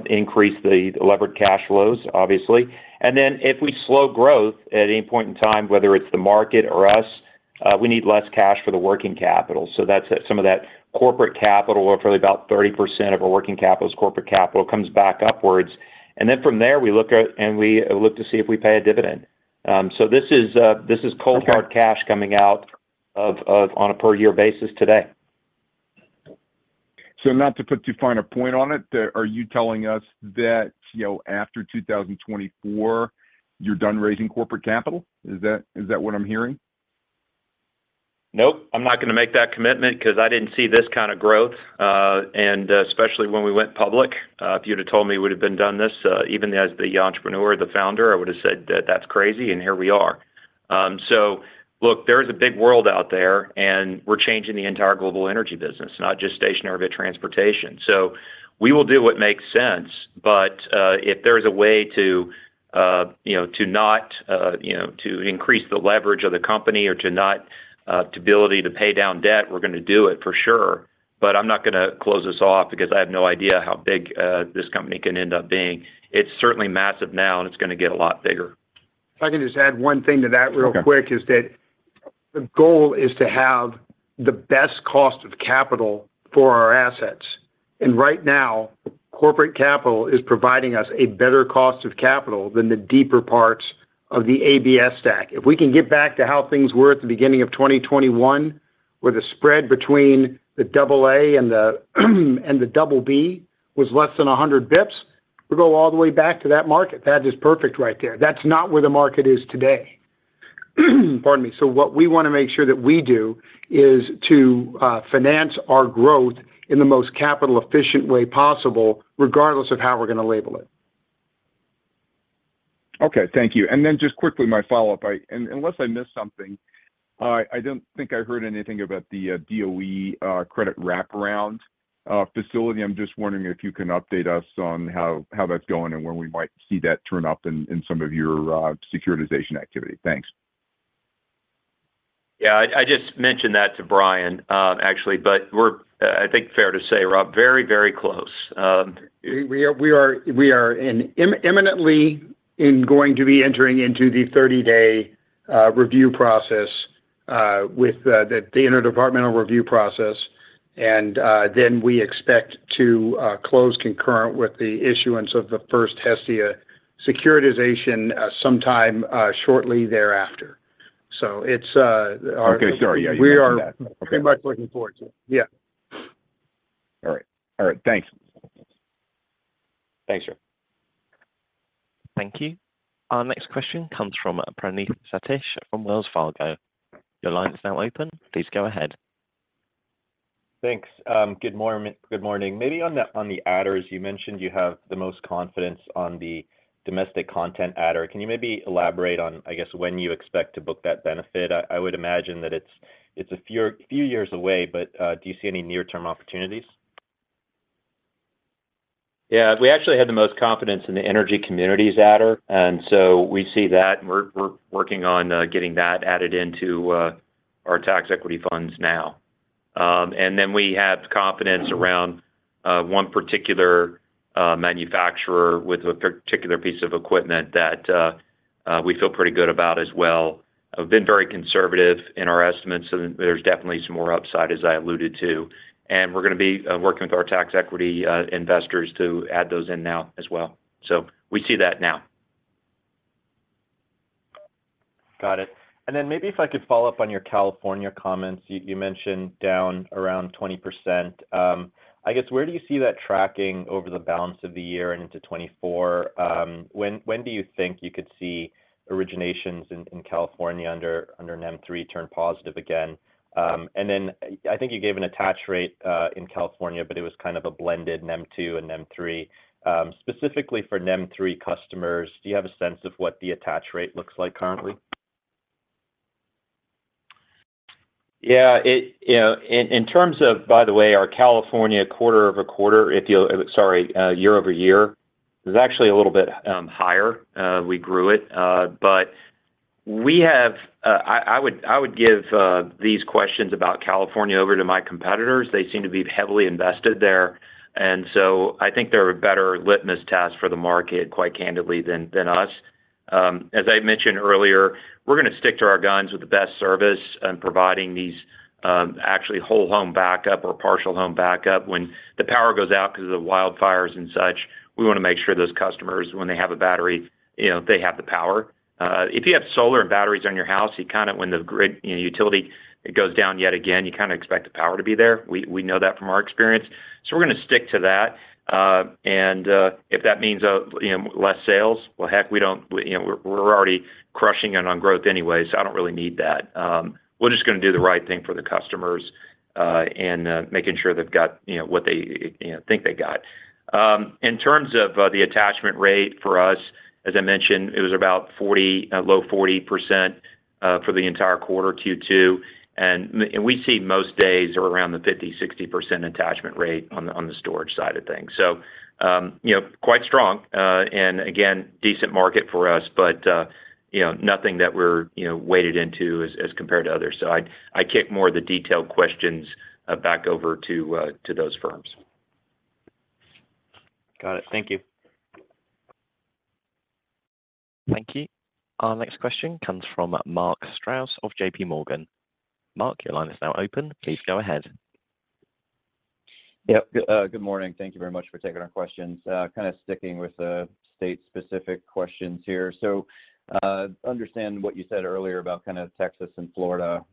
[SPEAKER 3] increase the levered cash flows, obviously. If we slow growth at any point in time, whether it's the market or us, we need less cash for the working capital. That's some of that corporate capital, or probably about 30% of our working capital is corporate capital, comes back upwards. From there, we look to see if we pay a dividend. This is cold hard cash.
[SPEAKER 9] Okay
[SPEAKER 3] coming out of on a per year basis today.
[SPEAKER 9] Not to put too fine a point on it, but are you telling us that, you know, after 2024, you're done raising corporate capital? Is that what I'm hearing?
[SPEAKER 3] Nope. I'm not gonna make that commitment 'cause I didn't see this kind of growth, especially when we went public. If you'd have told me we would've been done this, even as the entrepreneur, the founder, I would have said that, "That's crazy," here we are. Look, there is a big world out there, we're changing the entire global energy business, not just stationary but transportation. We will do what makes sense, but, if there's a way to, you know, to not, you know, to increase the leverage of the company or to not, to ability to pay down debt, we're gonna do it for sure. I'm not gonna close this off because I have no idea how big this company can end up being. It's certainly massive now, and it's gonna get a lot bigger.
[SPEAKER 4] If I can just add one thing to that real quick.
[SPEAKER 9] Okay
[SPEAKER 4] is that the goal is to have the best cost of capital for our assets. Right now, corporate capital is providing us a better cost of capital than the deeper parts of the ABS stack. If we can get back to how things were at the beginning of 2021, where the spread between the double A and the double B was less than 100 bips, we go all the way back to that market. That is perfect right there. That's not where the market is today. Pardon me. What we wanna make sure that we do is to finance our growth in the most capital efficient way possible, regardless of how we're gonna label it.
[SPEAKER 9] Okay, thank you. Then just quickly, my follow-up, unless I missed something, I don't think I heard anything about the DOE credit wraparound facility. I'm just wondering if you can update us on how that's going and when we might see that turn up in some of your securitization activity. Thanks.
[SPEAKER 3] Yeah, I just mentioned that to Brian, actually, but we're, I think fair to say, Rob, very close.
[SPEAKER 4] We are imminently going to be entering into the 30-day review process with the interdepartmental review process. Then we expect to close concurrent with the issuance of the first Hestia securitization sometime shortly thereafter. It's
[SPEAKER 9] Okay. Sorry, yeah, you mentioned that.
[SPEAKER 4] We are pretty much looking forward to it. Yeah.
[SPEAKER 9] All right. All right, thanks.
[SPEAKER 3] Thanks, Rob.
[SPEAKER 1] Thank you. Our next question comes from Praneeth Satish from Wells Fargo. Your line is now open. Please go ahead.
[SPEAKER 10] Thanks. Good morning. Maybe on the, on the adders, you mentioned you have the most confidence on the domestic content adder. Can you maybe elaborate on, I guess, when you expect to book that benefit? I would imagine that it's a few years away, but, do you see any near-term opportunities?
[SPEAKER 3] We actually had the most confidence in the energy community adder, and so we see that, and we're working on getting that added into our tax equity funds now. We have confidence around one particular manufacturer with a particular piece of equipment that we feel pretty good about as well. I've been very conservative in our estimates, and there's definitely some more upside, as I alluded to. We're gonna be working with our tax equity investors to add those in now as well. We see that now.
[SPEAKER 10] Got it. Maybe if I could follow up on your California comments. You mentioned down around 20%. I guess, where do you see that tracking over the balance of the year and into 2024? When do you think you could see originations in California under NEM3 turn positive again? I think you gave an attach rate in California, but it was kind of a blended NEM2 and NEM3. Specifically for NEM3 customers, do you have a sense of what the attach rate looks like currently?
[SPEAKER 3] Yeah, it, you know, in terms of, by the way, our California quarter-over-quarter, year-over-year, is actually a little bit higher. We grew it, but I would give these questions about California over to my competitors. They seem to be heavily invested there, I think they're a better litmus test for the market, quite candidly, than us. As I mentioned earlier, we're gonna stick to our guns with the best service and providing these, actually whole home backup or partial home backup. When the power goes out because of wildfires and such, we want to make sure those customers, when they have a battery, you know, they have the power. If you have solar and batteries on your house, you kind of when the grid, you know, utility, it goes down yet again, you kind of expect the power to be there. We know that from our experience. We're gonna stick to that, and if that means, you know, less sales, well, heck, you know, we're already crushing it on growth anyway, I don't really need that. We're just gonna do the right thing for the customers, and making sure they've got you know, what they, you know, think they got. In terms of the attachment rate for us, as I mentioned, it was about 40, low 40% for the entire quarter, Q2. We see most days are around the 50%, 60% attachment rate on the storage side of things. You know, quite strong, and again, decent market for us, but, you know, nothing that we're, you know, waded into as compared to others. I kick more of the detailed questions back over to those firms.
[SPEAKER 10] Got it. Thank you.
[SPEAKER 1] Thank you. Our next question comes from Mark Strouse of J.P. Morgan. Mark, your line is now open. Please go ahead.
[SPEAKER 11] Yep. Good morning. Thank you very much for taking our questions. Kind of sticking with the state-specific questions here. Understand what you said earlier about kind of Texas and Florida,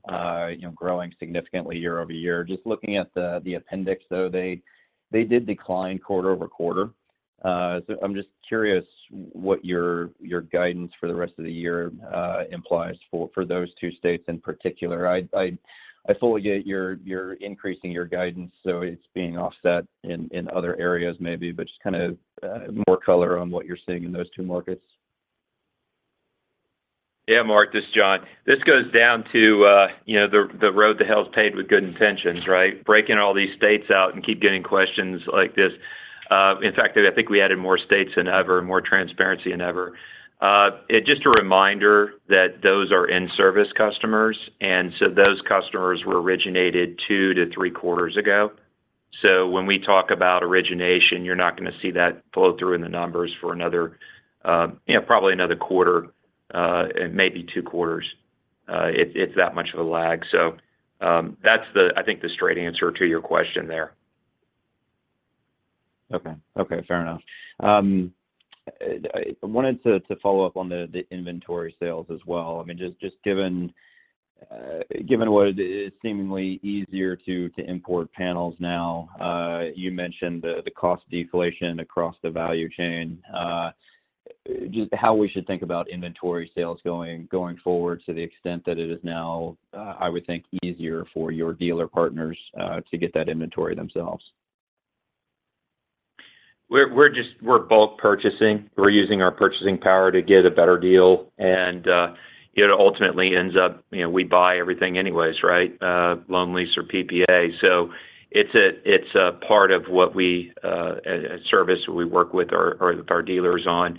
[SPEAKER 11] you know, growing significantly year-over-year. Just looking at the appendix, though, they did decline quarter-over-quarter. I'm just curious what your guidance for the rest of the year implies for those 2 states in particular. I fully get you're increasing your guidance, so it's being offset in other areas maybe, but just kind of more color on what you're seeing in those 2 markets.
[SPEAKER 3] Yeah, Mark, this is John. This goes down to, you know, the road to hell is paved with good intentions, right? Breaking all these states out and keep getting questions like this. In fact, I think we added more states than ever and more transparency than ever. It's just a reminder that those are in-service customers. Those customers were originated 2-3 quarters ago. When we talk about origination, you're not gonna see that flow through in the numbers for another, you know, probably another quarter, it may be 2 quarters. It's that much of a lag. That's, I think, the straight answer to your question there.
[SPEAKER 11] I wanted to follow up on the inventory sales as well. I mean, just given what is seemingly easier to import panels now, you mentioned the cost deflation across the value chain. Just how we should think about inventory sales going forward to the extent that it is now, I would think, easier for your dealer partners to get that inventory themselves.
[SPEAKER 3] We're just bulk purchasing. We're using our purchasing power to get a better deal, and it ultimately ends up, you know, we buy everything anyways, right? Loan, lease, or PPA. It's a part of what we, a service we work with our dealers on.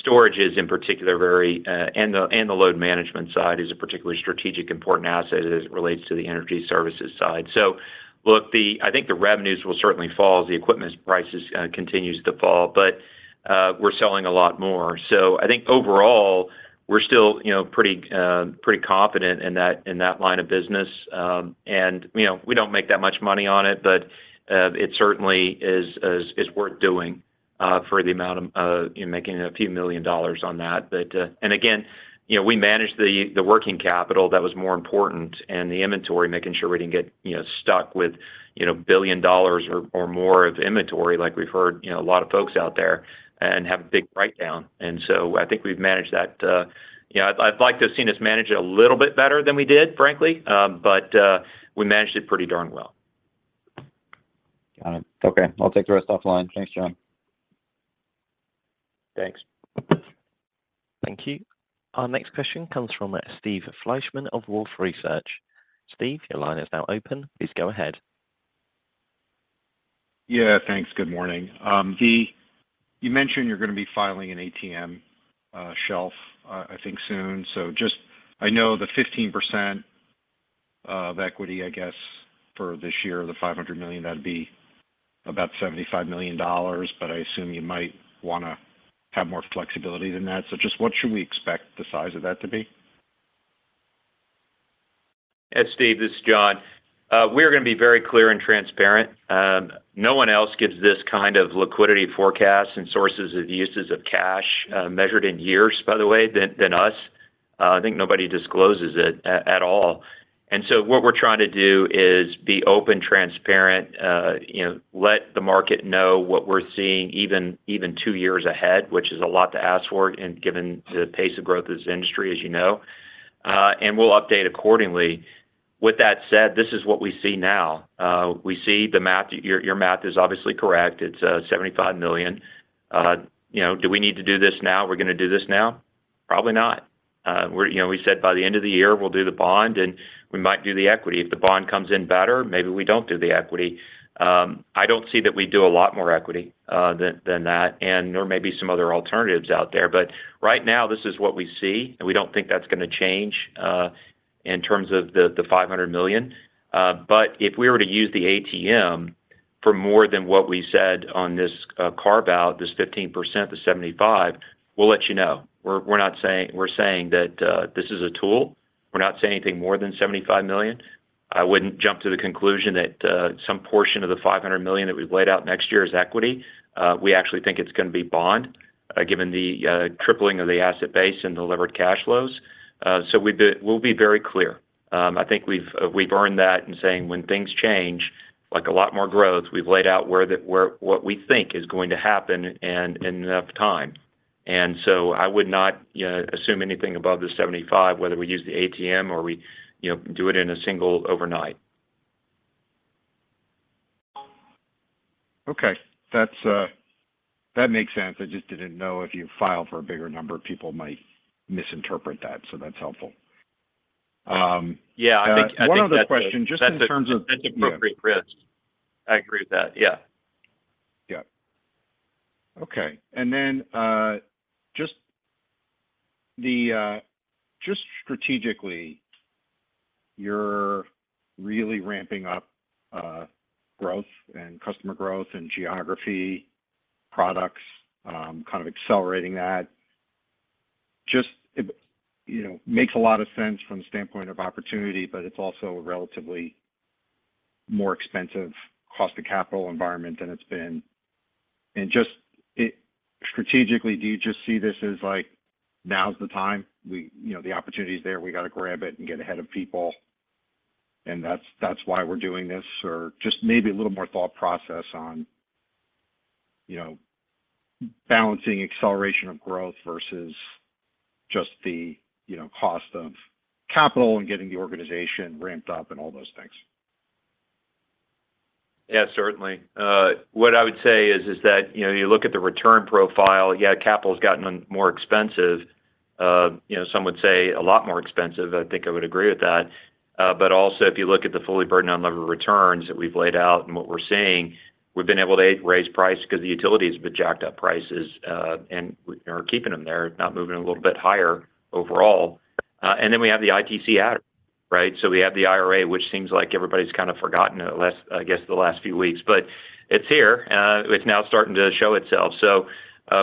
[SPEAKER 3] Storage is in particular very, and the load management side is a particularly strategic, important asset as it relates to the energy services side. Look, I think the revenues will certainly fall as the equipment prices continues to fall, but we're selling a lot more. I think overall, we're still, you know, pretty confident in that line of business. you know, we don't make that much money on it, but, it certainly is worth doing, for the amount of, you know, making a few million dollars on that. Again, you know, we manage the working capital that was more important and the inventory, making sure we didn't get, you know, stuck with, you know, billion dollars or more of inventory like we've heard, you know, a lot of folks out there and have a big write-down. I think we've managed that. you know, I'd like to have seen us manage it a little bit better than we did, frankly, we managed it pretty darn well.
[SPEAKER 11] Got it. Okay, I'll take the rest offline. Thanks, John.
[SPEAKER 3] Thanks.
[SPEAKER 1] Thank you. Our next question comes from Steve Fleishman of Wolfe Research. Steve, your line is now open. Please go ahead.
[SPEAKER 12] Yeah, thanks. Good morning. Lee, you mentioned you're gonna be filing an ATM shelf, I think soon. I know the 15% of equity, I guess, for this year, the $500 million, that'd be about $75 million, but I assume you might wanna have more flexibility than that. Just what should we expect the size of that to be?
[SPEAKER 3] Steve, this is John. We're gonna be very clear and transparent. No one else gives this kind of liquidity forecast and sources of uses of cash, measured in years, by the way, than us. I think nobody discloses it at all. What we're trying to do is be open, transparent, you know, let the market know what we're seeing even two years ahead, which is a lot to ask for and given the pace of growth of this industry, as you know, and we'll update accordingly. With that said, this is what we see now. We see the math, your math is obviously correct. It's $75 million.... You know, do we need to do this now? We're gonna do this now? Probably not. You know, we said by the end of the year, we'll do the bond, we might do the equity. If the bond comes in better, maybe we don't do the equity. I don't see that we do a lot more equity than that, there may be some other alternatives out there. Right now, this is what we see, we don't think that's gonna change in terms of the $500 million. If we were to use the ATM for more than what we said on this carve-out, this 15%, the $75 million, we'll let you know. We're not saying that this is a tool. We're not saying anything more than $75 million. I wouldn't jump to the conclusion that some portion of the $500 million that we've laid out next year is equity. We actually think it's gonna be bond, given the tripling of the asset base and delivered cash flows. We'll be very clear. I think we've earned that in saying when things change, like a lot more growth, we've laid out what we think is going to happen and in enough time. So I would not, you know, assume anything above the 75, whether we use the ATM or we, you know, do it in a single overnight.
[SPEAKER 12] That's, that makes sense. I just didn't know if you filed for a bigger number, people might misinterpret that, so that's helpful.
[SPEAKER 3] Yeah.
[SPEAKER 12] One other question, just in terms of...
[SPEAKER 3] That's appropriate risk. I agree with that. Yeah.
[SPEAKER 12] Yeah. Okay. Just the, just strategically, you're really ramping up, growth and customer growth and geography products, kind of accelerating that. Just, it, you know, makes a lot of sense from the standpoint of opportunity, but it's also a relatively more expensive cost of capital environment than it's been. Strategically, do you just see this as, like, now's the time? We, you know, the opportunity is there, we got to grab it and get ahead of people, and that's why we're doing this, or just maybe a little more thought process on, you know, balancing acceleration of growth versus just the, you know, cost of capital and getting the organization ramped up and all those things.
[SPEAKER 3] Yeah, certainly. What I would say is that, you know, you look at the return profile, yeah, capital has gotten more expensive. You know, some would say a lot more expensive, I think I would agree with that. But also, if you look at the fully burdened unlevered returns that we've laid out and what we're seeing, we've been able to raise price because the utility has been jacked up prices, and we are keeping them there, not moving a little bit higher overall. We have the ITC out, right? We have the IRA, which seems like everybody's kind of forgotten it last, I guess, the last few weeks. It's here, it's now starting to show itself.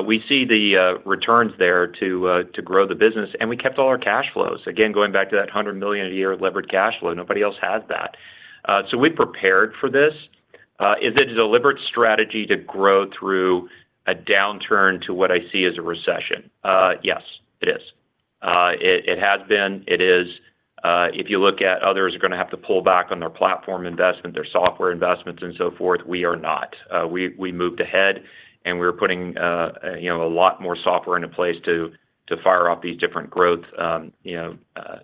[SPEAKER 3] We see the returns there to grow the business, and we kept all our cash flows. Going back to that $100 million a year of levered cash flow, nobody else has that. We've prepared for this. Is it a deliberate strategy to grow through a downturn to what I see as a recession? Yes, it is. It has been, it is. If you look at others are gonna have to pull back on their platform investment, their software investments, and so forth, we are not. We moved ahead and we're putting, you know, a lot more software into place to fire up these different growth, you know,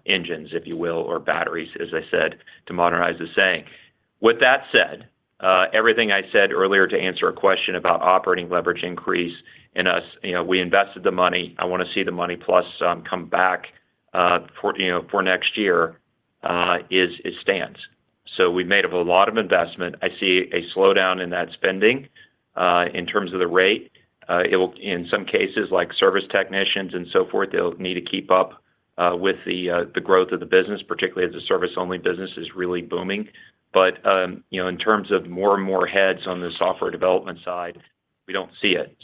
[SPEAKER 3] engines, if you will, or batteries, as I said, to modernize the saying. With that said, everything I said earlier to answer a question about operating leverage increase in us, you know, we invested the money. I want to see the money plus, come back, for, you know, for next year, as it stands. We made up a lot of investment. I see a slowdown in that spending, in terms of the rate. In some cases, like service technicians and so forth, they'll need to keep up, with the growth of the business, particularly as the service-only business is really booming. You know, in terms of more and more heads on the software development side, we don't see it.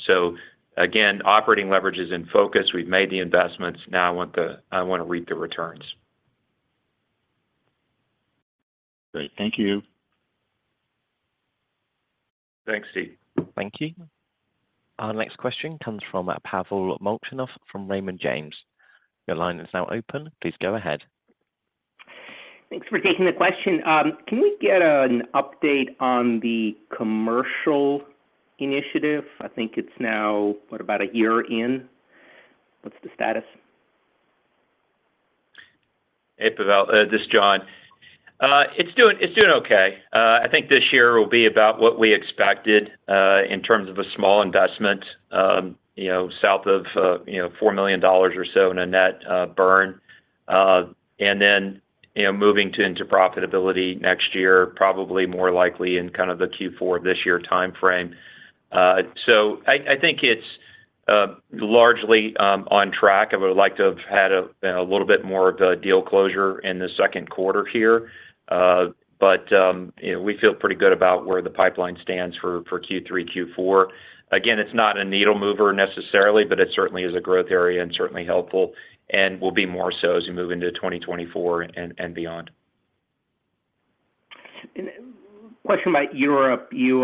[SPEAKER 3] Again, operating leverage is in focus. We've made the investments, now I want to reap the returns.
[SPEAKER 12] Great. Thank you.
[SPEAKER 3] Thanks, Steve.
[SPEAKER 1] Thank you. Our next question comes from, Pavel Molchanov, from Raymond James. Your line is now open. Please go ahead.
[SPEAKER 13] Thanks for taking the question. Can we get an update on the commercial initiative? I think it's now, what, about a year in. What's the status?
[SPEAKER 3] Hey, Pavel, this is John. It's doing okay. I think this year will be about what we expected in terms of a small investment, south of $4 million or so in a net burn. Then moving into profitability next year, probably more likely in kind of the Q4 of this year timeframe. I think it's largely on track. I would like to have had a little bit more of a deal closure in the Q2 here, we feel pretty good about where the pipeline stands for Q3, Q4. It's not a needle mover necessarily, but it certainly is a growth area and certainly helpful, and will be more so as we move into 2024 and beyond.
[SPEAKER 13] A question about Europe. You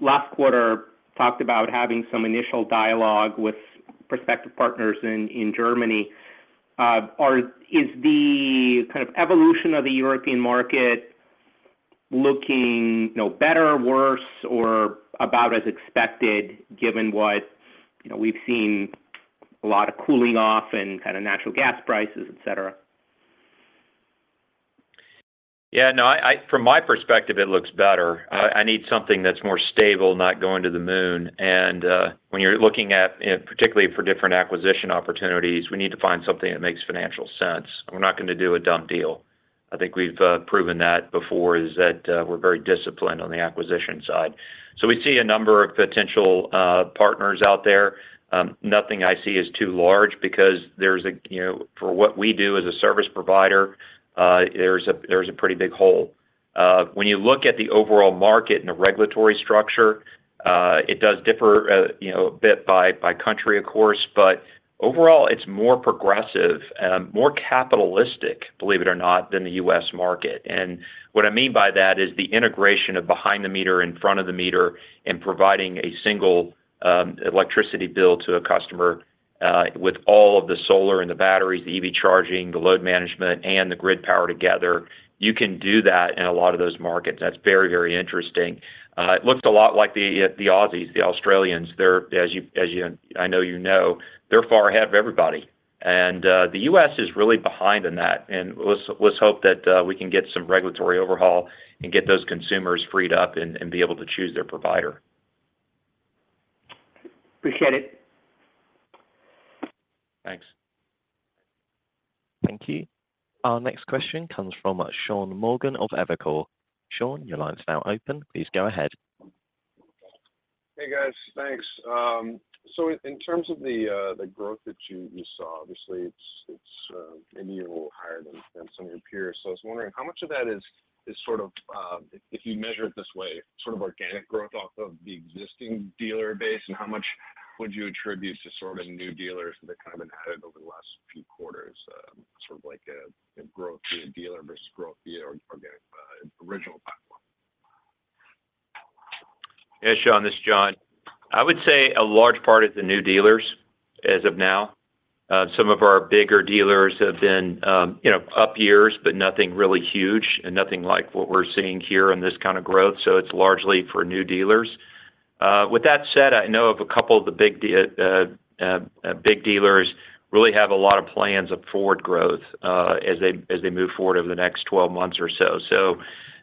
[SPEAKER 13] last quarter talked about having some initial dialogue with prospective partners in Germany. Is the kind of evolution of the European market looking, you know, better or worse, or about as expected, given what, you know, we've seen a lot of cooling off in kind of natural gas prices, et cetera?
[SPEAKER 3] Yeah, no, I, from my perspective, it looks better. I need something that's more stable, not going to the moon. When you're looking at, particularly for different acquisition opportunities, we need to find something that makes financial sense, and we're not gonna do a dumb deal. I think we've proven that before, is that we're very disciplined on the acquisition side. We see a number of potential partners out there. Nothing I see is too large because there's a, you know, for what we do as a service provider, there's a pretty big hole. When you look at the overall market and the regulatory structure, it does differ, you know, a bit by country, of course, but overall, it's more progressive and more capitalistic, believe it or not, than the U.S. market. What I mean by that is the integration of behind the meter, in front of the meter, and providing a single, electricity bill to a customer, with all of the solar and the batteries, the EV charging, the load management, and the grid power together. You can do that in a lot of those markets. That's very, very interesting. It looks a lot like the Aussies, the Australians. They're, as you know, they're far ahead of everybody. The U.S. is really behind in that, and let's hope that we can get some regulatory overhaul and get those consumers freed up and be able to choose their provider.
[SPEAKER 13] Appreciate it.
[SPEAKER 3] Thanks.
[SPEAKER 1] Thank you. Our next question comes from Sean Morgan of Evercore. Sean, your line is now open. Please go ahead.
[SPEAKER 14] Hey, guys. Thanks. In terms of the growth that you saw, obviously, it's maybe a little higher than some of your peers. I was wondering, how much of that is sort of, if you measure it this way, sort of organic growth off of the existing dealer base, and how much would you attribute to sort of new dealers that have kind of been added over the last few quarters, sort of like a growth in dealer versus growth via organic original platform?
[SPEAKER 3] Yeah, Sean, this is John. I would say a large part is the new dealers, as of now. Some of our bigger dealers have been, you know, up years, but nothing really huge and nothing like what we're seeing here in this kind of growth, so it's largely for new dealers. With that said, I know of a couple of the big dealers really have a lot of plans of forward growth, as they, as they move forward over the next 12 months or so.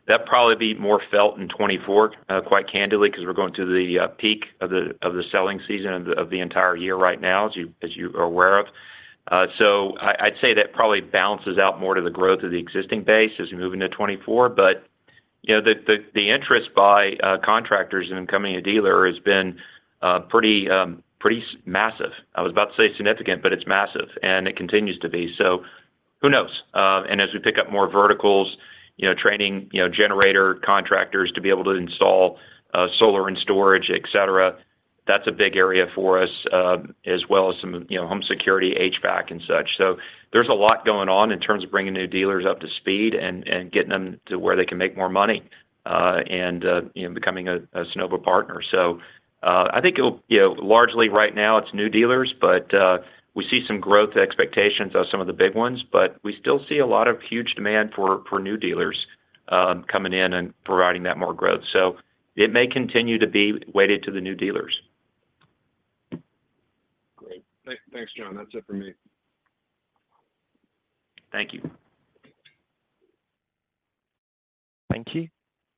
[SPEAKER 3] That probably be more felt in 2024, quite candidly, 'cause we're going to the peak of the selling season of the entire year right now, as you, as you are aware of. I'd say that probably balances out more to the growth of the existing base as we move into 2024. You know, the, the interest by contractors in becoming a dealer has been pretty massive. I was about to say significant, but it's massive, and it continues to be, so who knows? As we pick up more verticals, you know, training, you know, generator contractors to be able to install solar and storage, et cetera, that's a big area for us, as well as some of, you know, home security, HVAC, and such. There's a lot going on in terms of bringing new dealers up to speed and getting them to where they can make more money and, you know, becoming a Sunnova partner. I think you know, largely right now, it's new dealers, but we see some growth expectations of some of the big ones, but we still see a lot of huge demand for new dealers, coming in and providing that more growth. It may continue to be weighted to the new dealers.
[SPEAKER 14] Great. Thanks, John. That's it for me.
[SPEAKER 3] Thank you.
[SPEAKER 1] Thank you.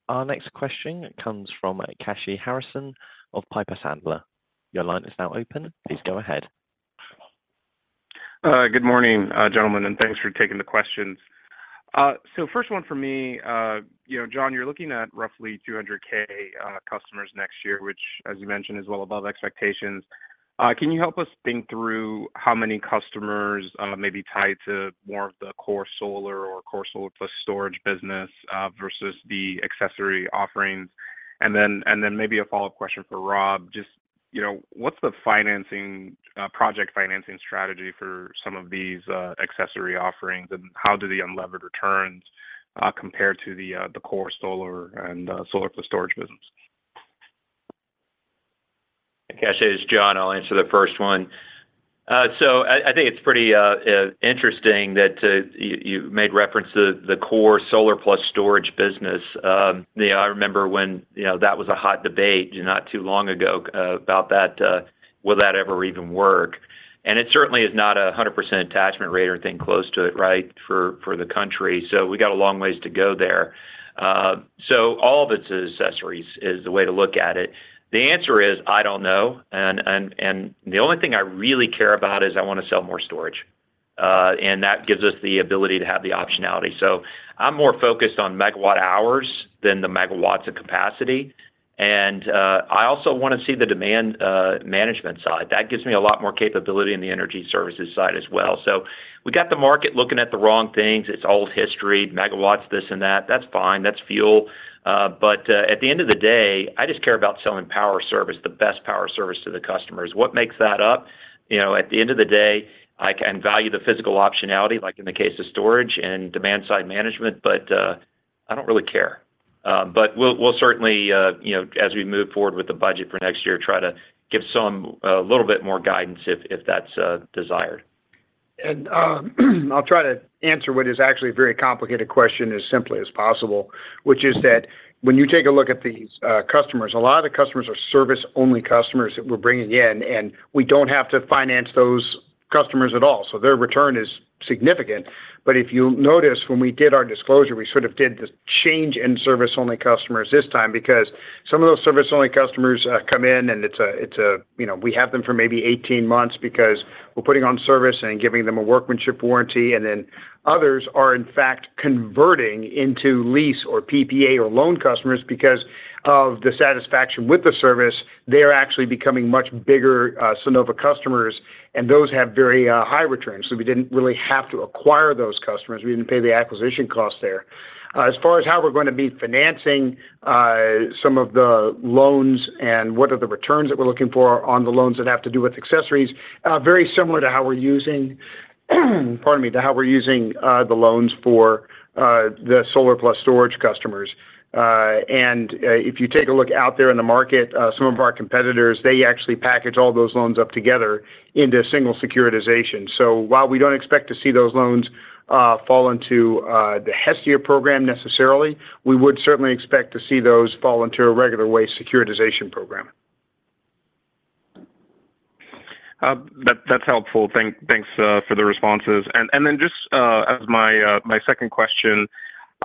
[SPEAKER 1] Our next question comes from Kashy Harrison of Piper Sandler. Your line is now open. Please go ahead.
[SPEAKER 15] Good morning, gentlemen, and thanks for taking the questions. First one for me, you know, John, you're looking at roughly 200K customers next year, which, as you mentioned, is well above expectations. Can you help us think through how many customers may be tied to more of the core solar or core solar plus storage business versus the accessory offerings? Then maybe a follow-up question for Rob: Just, you know, what's the financing, project financing strategy for some of these accessory offerings? How do the unlevered returns compare to the core solar and solar plus storage business?
[SPEAKER 3] Kashy, it's John. I'll answer the first one. I think it's pretty interesting that you made reference to the core solar plus storage business. Yeah, I remember when, you know, that was a hot debate not too long ago about that, will that ever even work? It certainly is not a 100% attachment rate or anything close to it, right? For the country. We got a long ways to go there. All of it is accessories, is the way to look at it. The answer is, I don't know, and the only thing I really care about is I want to sell more storage, and that gives us the ability to have the optionality. I'm more focused on megawatt hours than the megawatts of capacity, and I also want to see the demand management side. That gives me a lot more capability in the energy services side as well. We got the market looking at the wrong things. It's old history, megawatts, this and that. That's fine, that's fuel, but at the end of the day, I just care about selling power service, the best power service to the customers. What makes that up? You know, at the end of the day, I can value the physical optionality, like in the case of storage and demand side management, but I don't really care. We'll certainly, you know, as we move forward with the budget for next year, try to give some, a little bit more guidance if that's desired.
[SPEAKER 4] I'll try to answer what is actually a very complicated question as simply as possible, which is that when you take a look at these customers, a lot of the customers are service-only customers that we're bringing in, and we don't have to finance those customers at all, so their return is significant. If you notice, when we did our disclosure, we sort of did this change in service-only customers this time, because some of those service-only customers come in, and You know, we have them for maybe 18 months because we're putting on service and giving them a workmanship warranty. Others are, in fact, converting into lease or PPA or loan customers because of the satisfaction with the service. They're actually becoming much bigger Sunnova customers, and those have very high returns. We didn't really have to acquire those customers. We didn't pay the acquisition costs there. As far as how we're going to be financing some of the loans and what are the returns that we're looking for on the loans that have to do with accessories, very similar to how we're using the loans for the solar plus storage customers. If you take a look out there in the market, some of our competitors, they actually package all those loans up together into a single securitization. While we don't expect to see those loans fall into the Project Hestia program necessarily, we would certainly expect to see those fall into a regular way securitization program.
[SPEAKER 15] That's helpful. Thanks for the responses. Then just as my second question,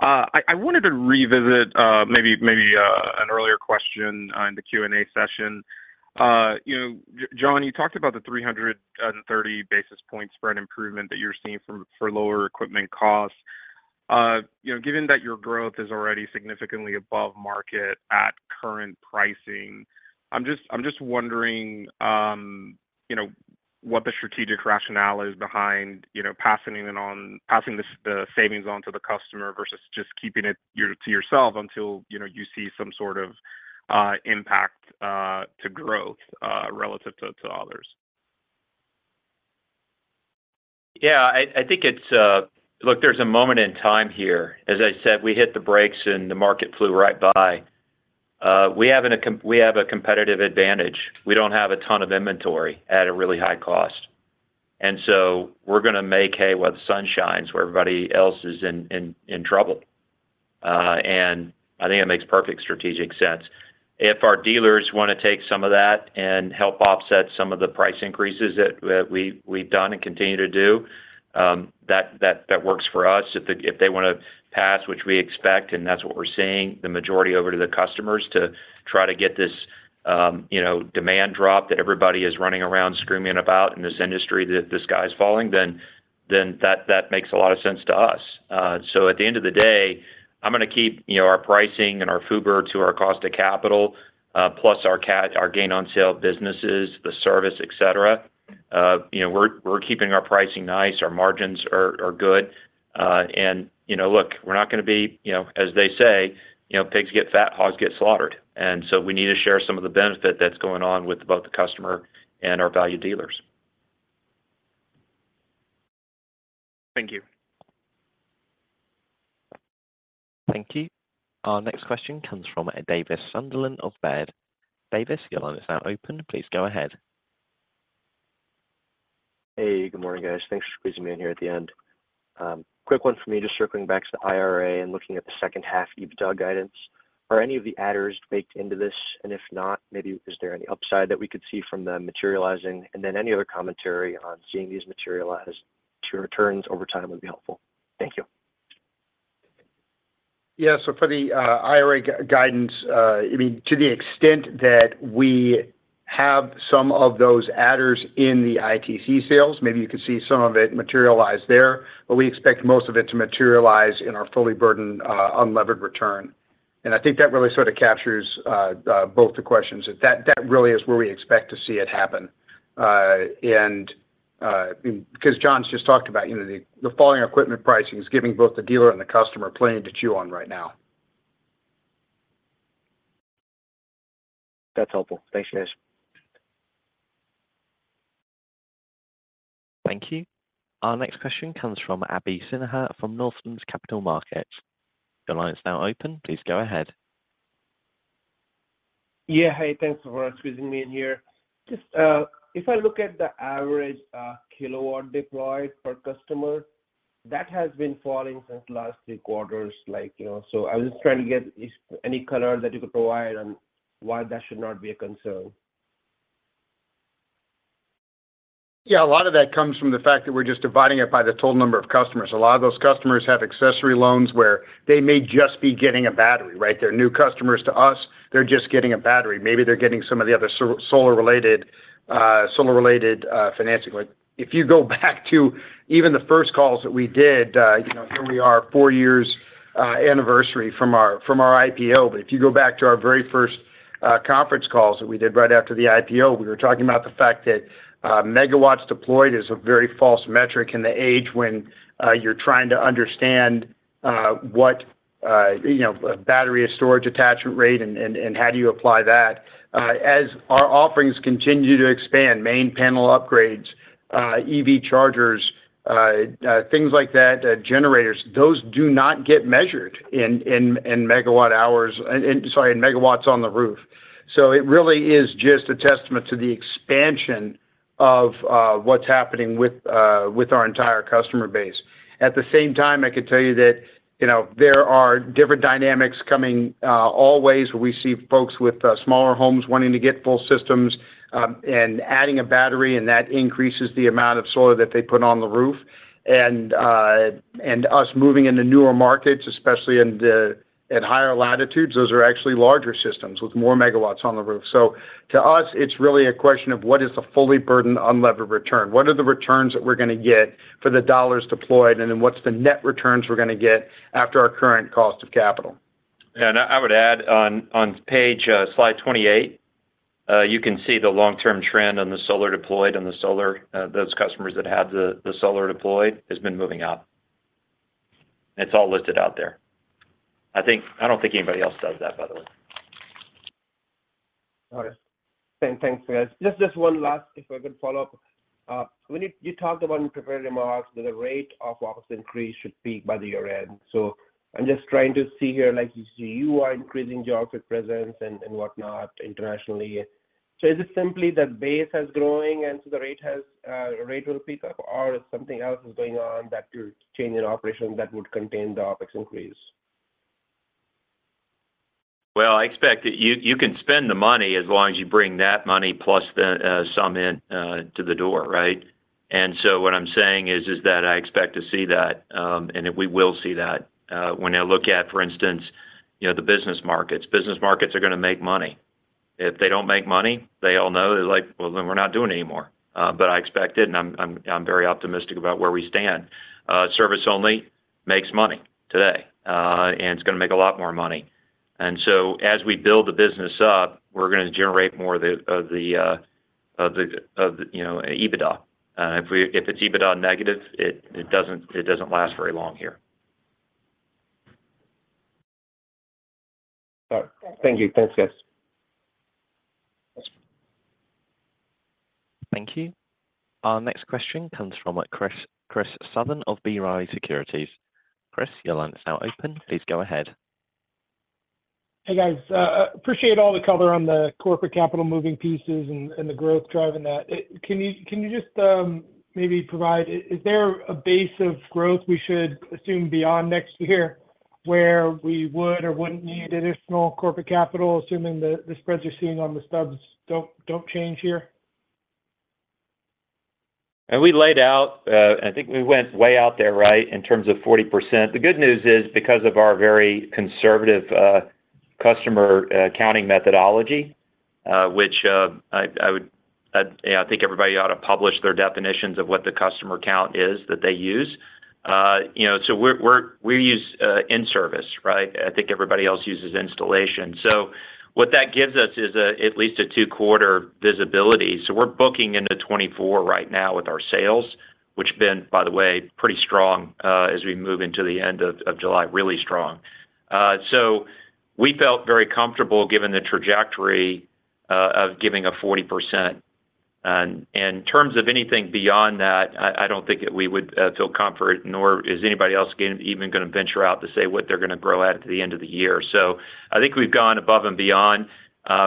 [SPEAKER 15] I wanted to revisit maybe an earlier question in the Q&A session. You know, John, you talked about the 330 basis point spread improvement that you're seeing for lower equipment costs. You know, given that your growth is already significantly above market at current pricing, I'm just wondering, you know, what the strategic rationale is behind, you know, passing the savings on to the customer versus just keeping it to yourself until, you know, you see some sort of impact to growth relative to others?
[SPEAKER 3] I think it's. Look, there's a moment in time here. As I said, we hit the brakes, the market flew right by. We have a competitive advantage. We don't have a ton of inventory at a really high cost. We're going to make hay while the sun shines, where everybody else is in trouble. I think it makes perfect strategic sense. If our dealers want to take some of that and help offset some of the price increases that we've done and continue to do, that works for us. If they want to pass, which we expect, and that's what we're seeing, the majority over to the customers to try to get this, you know, demand drop that everybody is running around screaming about in this industry, that the sky is falling, then that makes a lot of sense to us. At the end of the day, I'm going to keep, you know, our pricing and our to our cost of capital, plus our gain on sale businesses, the service, et cetera. You know, we're keeping our pricing nice, our margins are good. You know, look, we're not going to be, you know, as they say, you know, "Pigs get fat, hogs get slaughtered." We need to share some of the benefit that's going on with both the customer and our value dealers.
[SPEAKER 15] Thank you.
[SPEAKER 1] Thank you. Our next question comes from David Sunderland of Baird. David, your line is now open. Please go ahead.
[SPEAKER 16] Hey, good morning, guys. Thanks for squeezing me in here at the end. quick one for me, just circling back to the IRA and looking at the second half EBITDA guidance. Are any of the adders baked into this? If not, maybe is there any upside that we could see from them materializing? Any other commentary on seeing these materialize to returns over time would be helpful. Thank you.
[SPEAKER 4] For the, IRA guidance, I mean, to the extent that we have some of those adders in the ITC sales, maybe you could see some of it materialize there. We expect most of it to materialize in our fully burdened, unlevered return. I think that really sort of captures, both the questions. That really is where we expect to see it happen. Because John's just talked about, you know, the falling equipment pricing is giving both the dealer and the customer plenty to chew on right now.
[SPEAKER 16] That's helpful. Thanks, guys.
[SPEAKER 1] Thank you. Our next question comes from Abhishek Sinha from Northland Capital Markets. Your line is now open, please go ahead.
[SPEAKER 17] Yeah, hi, thanks for squeezing me in here. Just, if I look at the average, kilowatt deployed per customer, that has been falling since last 3 quarters, like, you know. I was just trying to get any color that you could provide on why that should not be a concern?
[SPEAKER 4] Yeah, a lot of that comes from the fact that we're just dividing it by the total number of customers. A lot of those customers have accessory loans where they may just be getting a battery, right? They're new customers to us, they're just getting a battery. Maybe they're getting some of the other solar-related financing. Like, if you go back to even the first calls that we did, you know, here we are, 4 years anniversary from our IPO. If you go back to our very first conference calls that we did right after the IPO, we were talking about the fact that megawatts deployed is a very false metric in the age when you're trying to understand what, you know, battery storage attachment rate and how do you apply that. As our offerings continue to expand, main panel upgrades, EV chargers, things like that, generators, those do not get measured in megawatt hours. Sorry, in megawatts on the roof. It really is just a testament to the expansion of what's happening with our entire customer base. At the same time, I could tell you that, you know, there are different dynamics coming always where we see folks with smaller homes wanting to get full systems, and adding a battery, and that increases the amount of solar that they put on the roof. Us moving into newer markets, especially at higher latitudes, those are actually larger systems with more megawatts on the roof. To us, it's really a question of: What is the fully burdened unlevered return? What are the returns that we're gonna get for the dollars deployed, and then what's the net returns we're gonna get after our current cost of capital?
[SPEAKER 3] I would add on page slide 28, you can see the long-term trend on the solar deployed, and the solar, those customers that have the solar deployed, has been moving up. It's all listed out there. I don't think anybody else does that, by the way.
[SPEAKER 17] All right. Thanks, guys. Just one last, if I could follow up. When you talked about in prepared remarks that the rate of OpEx increase should peak by the year-end. I'm just trying to see here, like, you see, you are increasing geographic presence and whatnot internationally. Is it simply that base has growing and the rate will peak up, or something else is going on that will change in operations that would contain the OpEx increase?
[SPEAKER 3] Well, I expect that you can spend the money as long as you bring that money plus the sum in to the door, right? What I'm saying is that I expect to see that, and that we will see that. When I look at, for instance, you know, the business markets. Business markets are gonna make money. If they don't make money, they all know, they're like, "Well, then we're not doing it anymore." I expect it, and I'm very optimistic about where we stand. Service only makes money today, and it's gonna make a lot more money. As we build the business up, we're gonna generate more of the, you know, EBITDA. if it's EBITDA negative, it doesn't last very long here.
[SPEAKER 17] All right. Thank you. Thanks, guys.
[SPEAKER 1] Thank you. Our next question comes from Chris Southern of B. Riley Securities. Chris, your line is now open. Please go ahead.
[SPEAKER 18] Hey, guys. appreciate all the color on the corporate capital moving pieces and the growth driving that. Can you just maybe provide, is there a base of growth we should assume beyond next year, where we would or wouldn't need additional corporate capital, assuming the spreads you're seeing on the stubs don't change here?
[SPEAKER 3] We laid out, and I think we went way out there, right? In terms of 40%. The good news is, because of our very conservative customer counting methodology, which I would, I think everybody ought to publish their definitions of what the customer count is that they use. You know, we use in-service, right? I think everybody else uses installation. What that gives us is at least a 2-quarter visibility. We're booking into 2024 right now with our sales, which been, by the way, pretty strong as we move into the end of July. Really strong. We felt very comfortable given the trajectory of giving a 40%. In terms of anything beyond that, I don't think that we would feel comfort, nor is anybody else going, even gonna venture out to say what they're gonna grow at to the end of the year. I think we've gone above and beyond.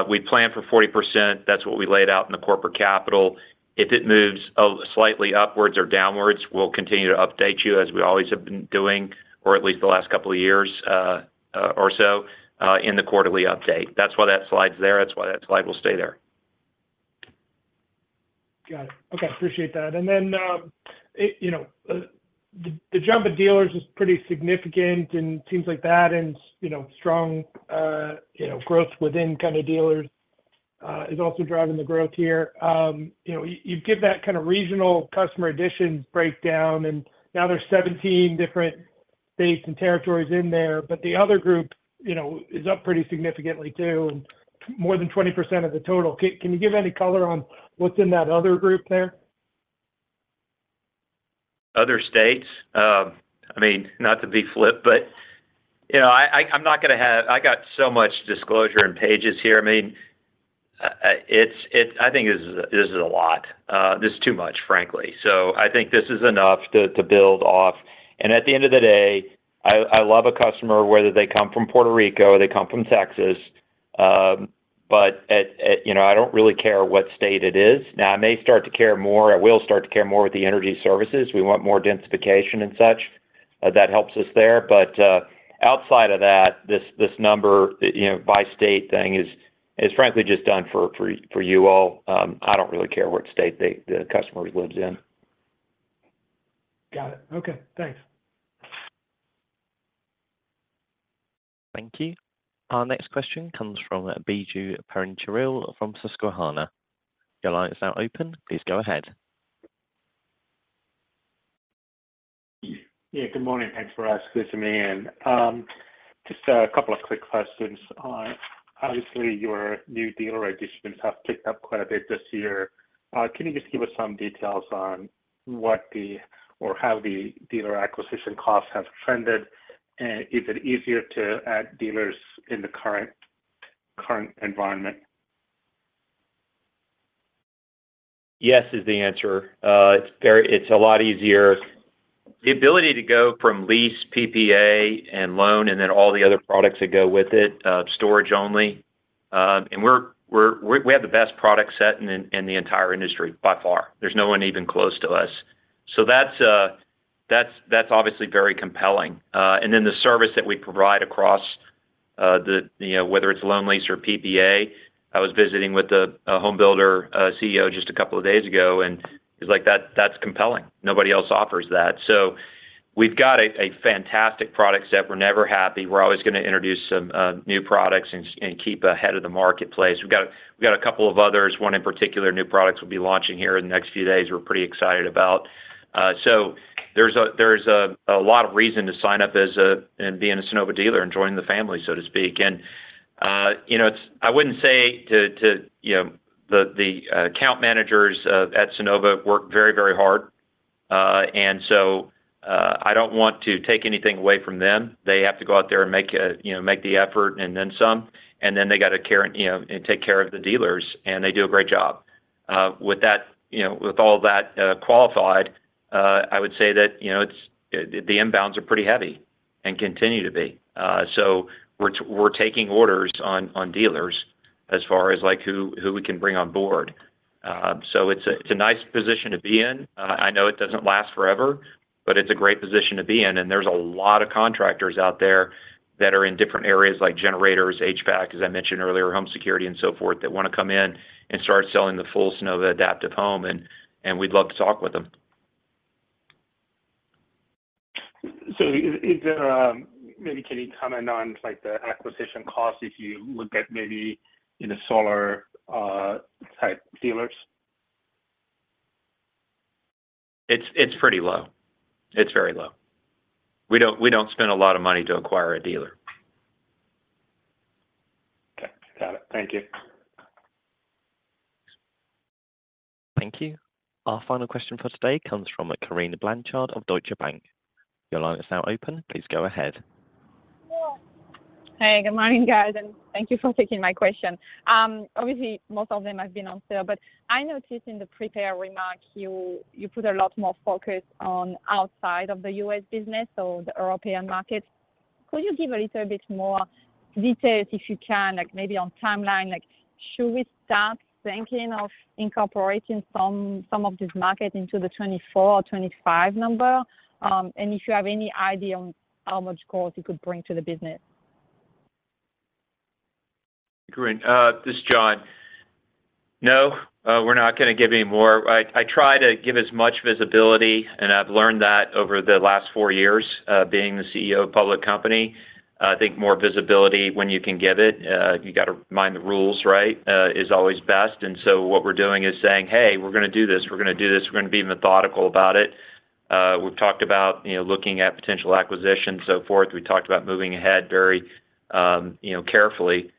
[SPEAKER 3] We planned for 40%, that's what we laid out in the corporate capital. If it moves slightly upwards or downwards, we'll continue to update you, as we always have been doing, or at least the last couple of years or so in the quarterly update. That's why that slide's there. That's why that slide will stay there.
[SPEAKER 18] Got it. Okay, appreciate that. Then, it, you know, the jump in dealers is pretty significant and things like that, and, you know, strong, you know, growth within kind of dealers, is also driving the growth here. You know, you give that kind of regional customer addition breakdown. Now there's 17 different states and territories in there. The other group, you know, is up pretty significantly, too, more than 20% of the total. Can you give any color on what's in that other group there?
[SPEAKER 3] Other states? I mean, not to be flip, but, you know, I got so much disclosure and pages here. I mean, I think this is a lot. This is too much, frankly. I think this is enough to build off. At the end of the day, I love a customer, whether they come from Puerto Rico or they come from Texas, but, you know, I don't really care what state it is. Now, I may start to care more, I will start to care more with the energy services. We want more densification and such. That helps us there. Outside of that, this number, you know, by state thing is frankly just done for you all. I don't really care what state the customers lives in.
[SPEAKER 18] Got it. Okay, thanks.
[SPEAKER 1] Thank you. Our next question comes from Biju Perincheril from Susquehanna. Your line is now open. Please go ahead.
[SPEAKER 19] Yeah, good morning. Thanks for asking me in. Just a couple of quick questions. Obviously, your new dealer registrations have picked up quite a bit this year. Can you just give us some details on how the dealer acquisition costs have trended, and is it easier to add dealers in the current environment?
[SPEAKER 3] Yes, is the answer. It's a lot easier. The ability to go from lease, PPA, and loan, and then all the other products that go with it, storage only, and we have the best product set in the entire industry by far. There's no one even close to us. That's obviously very compelling. The service that we provide across the, you know, whether it's loan, lease, or PPA. I was visiting with a home builder, CEO just a couple of days ago, and he's like, "That, that's compelling. Nobody else offers that." We've got a fantastic product set. We're never happy. We're always gonna introduce some new products and keep ahead of the marketplace. We've got a couple of others, one in particular, new products we'll be launching here in the next few days we're pretty excited about. There's a lot of reason to sign up as a Sunnova dealer and joining the family, so to speak. You know, I wouldn't say to... You know, the account managers at Sunnova work very hard. I don't want to take anything away from them. They have to go out there and make, you know, make the effort and then some, and then they gotta care, you know, and take care of the dealers. They do a great job. With that, you know, with all that qualified, I would say that, you know, it's, the inbounds are pretty heavy and continue to be. So we're taking orders on dealers as far as, like, who we can bring on board. So it's a nice position to be in. I know it doesn't last forever, but it's a great position to be in, and there's a lot of contractors out there that are in different areas, like generators, HVAC, as I mentioned earlier, home security, and so forth, that want to come in and start selling the full Sunnova Adaptive Home, and we'd love to talk with them.
[SPEAKER 19] Maybe can you comment on, like, the acquisition costs if you look at maybe in the solar type dealers?
[SPEAKER 3] It's pretty low. It's very low. We don't spend a lot of money to acquire a dealer.
[SPEAKER 19] Okay, got it. Thank you.
[SPEAKER 1] Thank you. Our final question for today comes from Corinne Blanchard of Deutsche Bank. Your line is now open. Please go ahead.
[SPEAKER 20] Hey, good morning, guys, and thank you for taking my question. Obviously, most of them have been answered, but I noticed in the prepared remarks, you put a lot more focus on outside of the U.S. business, so the European market. Could you give a little bit more details, if you can, like maybe on timeline? Should we start thinking of incorporating some of this market into the 24 or 25 number? If you have any idea on how much cost you could bring to the business.
[SPEAKER 3] Corinne, this is John. No, we're not gonna give any more. I try to give as much visibility, and I've learned that over the last four years, being the CEO of a public company, I think more visibility when you can give it, you got to mind the rules, right, is always best. What we're doing is saying, "Hey, we're gonna do this. We're gonna do this. We're gonna be methodical about it." We've talked about, you know, looking at potential acquisitions, so forth. We talked about moving ahead very, you know, carefully.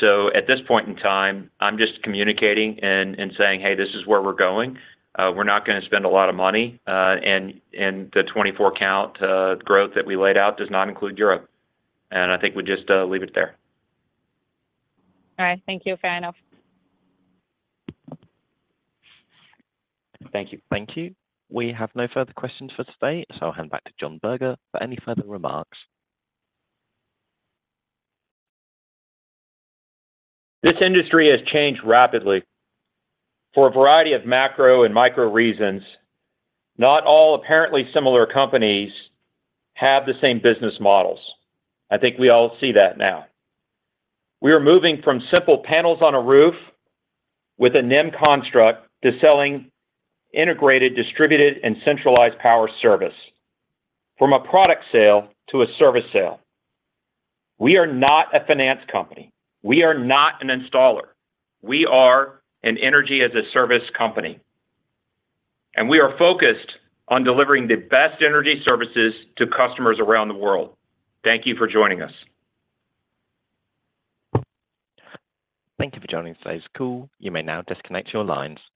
[SPEAKER 3] So at this point in time, I'm just communicating and saying, "Hey, this is where we're going." We're not gonna spend a lot of money, and the 24 count, growth that we laid out does not include Europe. I think we'll just leave it there.
[SPEAKER 20] All right. Thank you. Fair enough.
[SPEAKER 1] Thank you. Thank you. We have no further questions for today, so I'll hand back to John Berger for any further remarks.
[SPEAKER 3] This industry has changed rapidly for a variety of macro and micro reasons. Not all apparently similar companies have the same business models. I think we all see that now. We are moving from simple panels on a roof with a NIM construct to selling integrated, distributed, and centralized power service, from a product sale to a service sale. We are not a finance company. We are not an installer. We are an energy-as-a-service company, and we are focused on delivering the best energy services to customers around the world. Thank you for joining us.
[SPEAKER 1] Thank you for joining today's call. You may now disconnect your lines.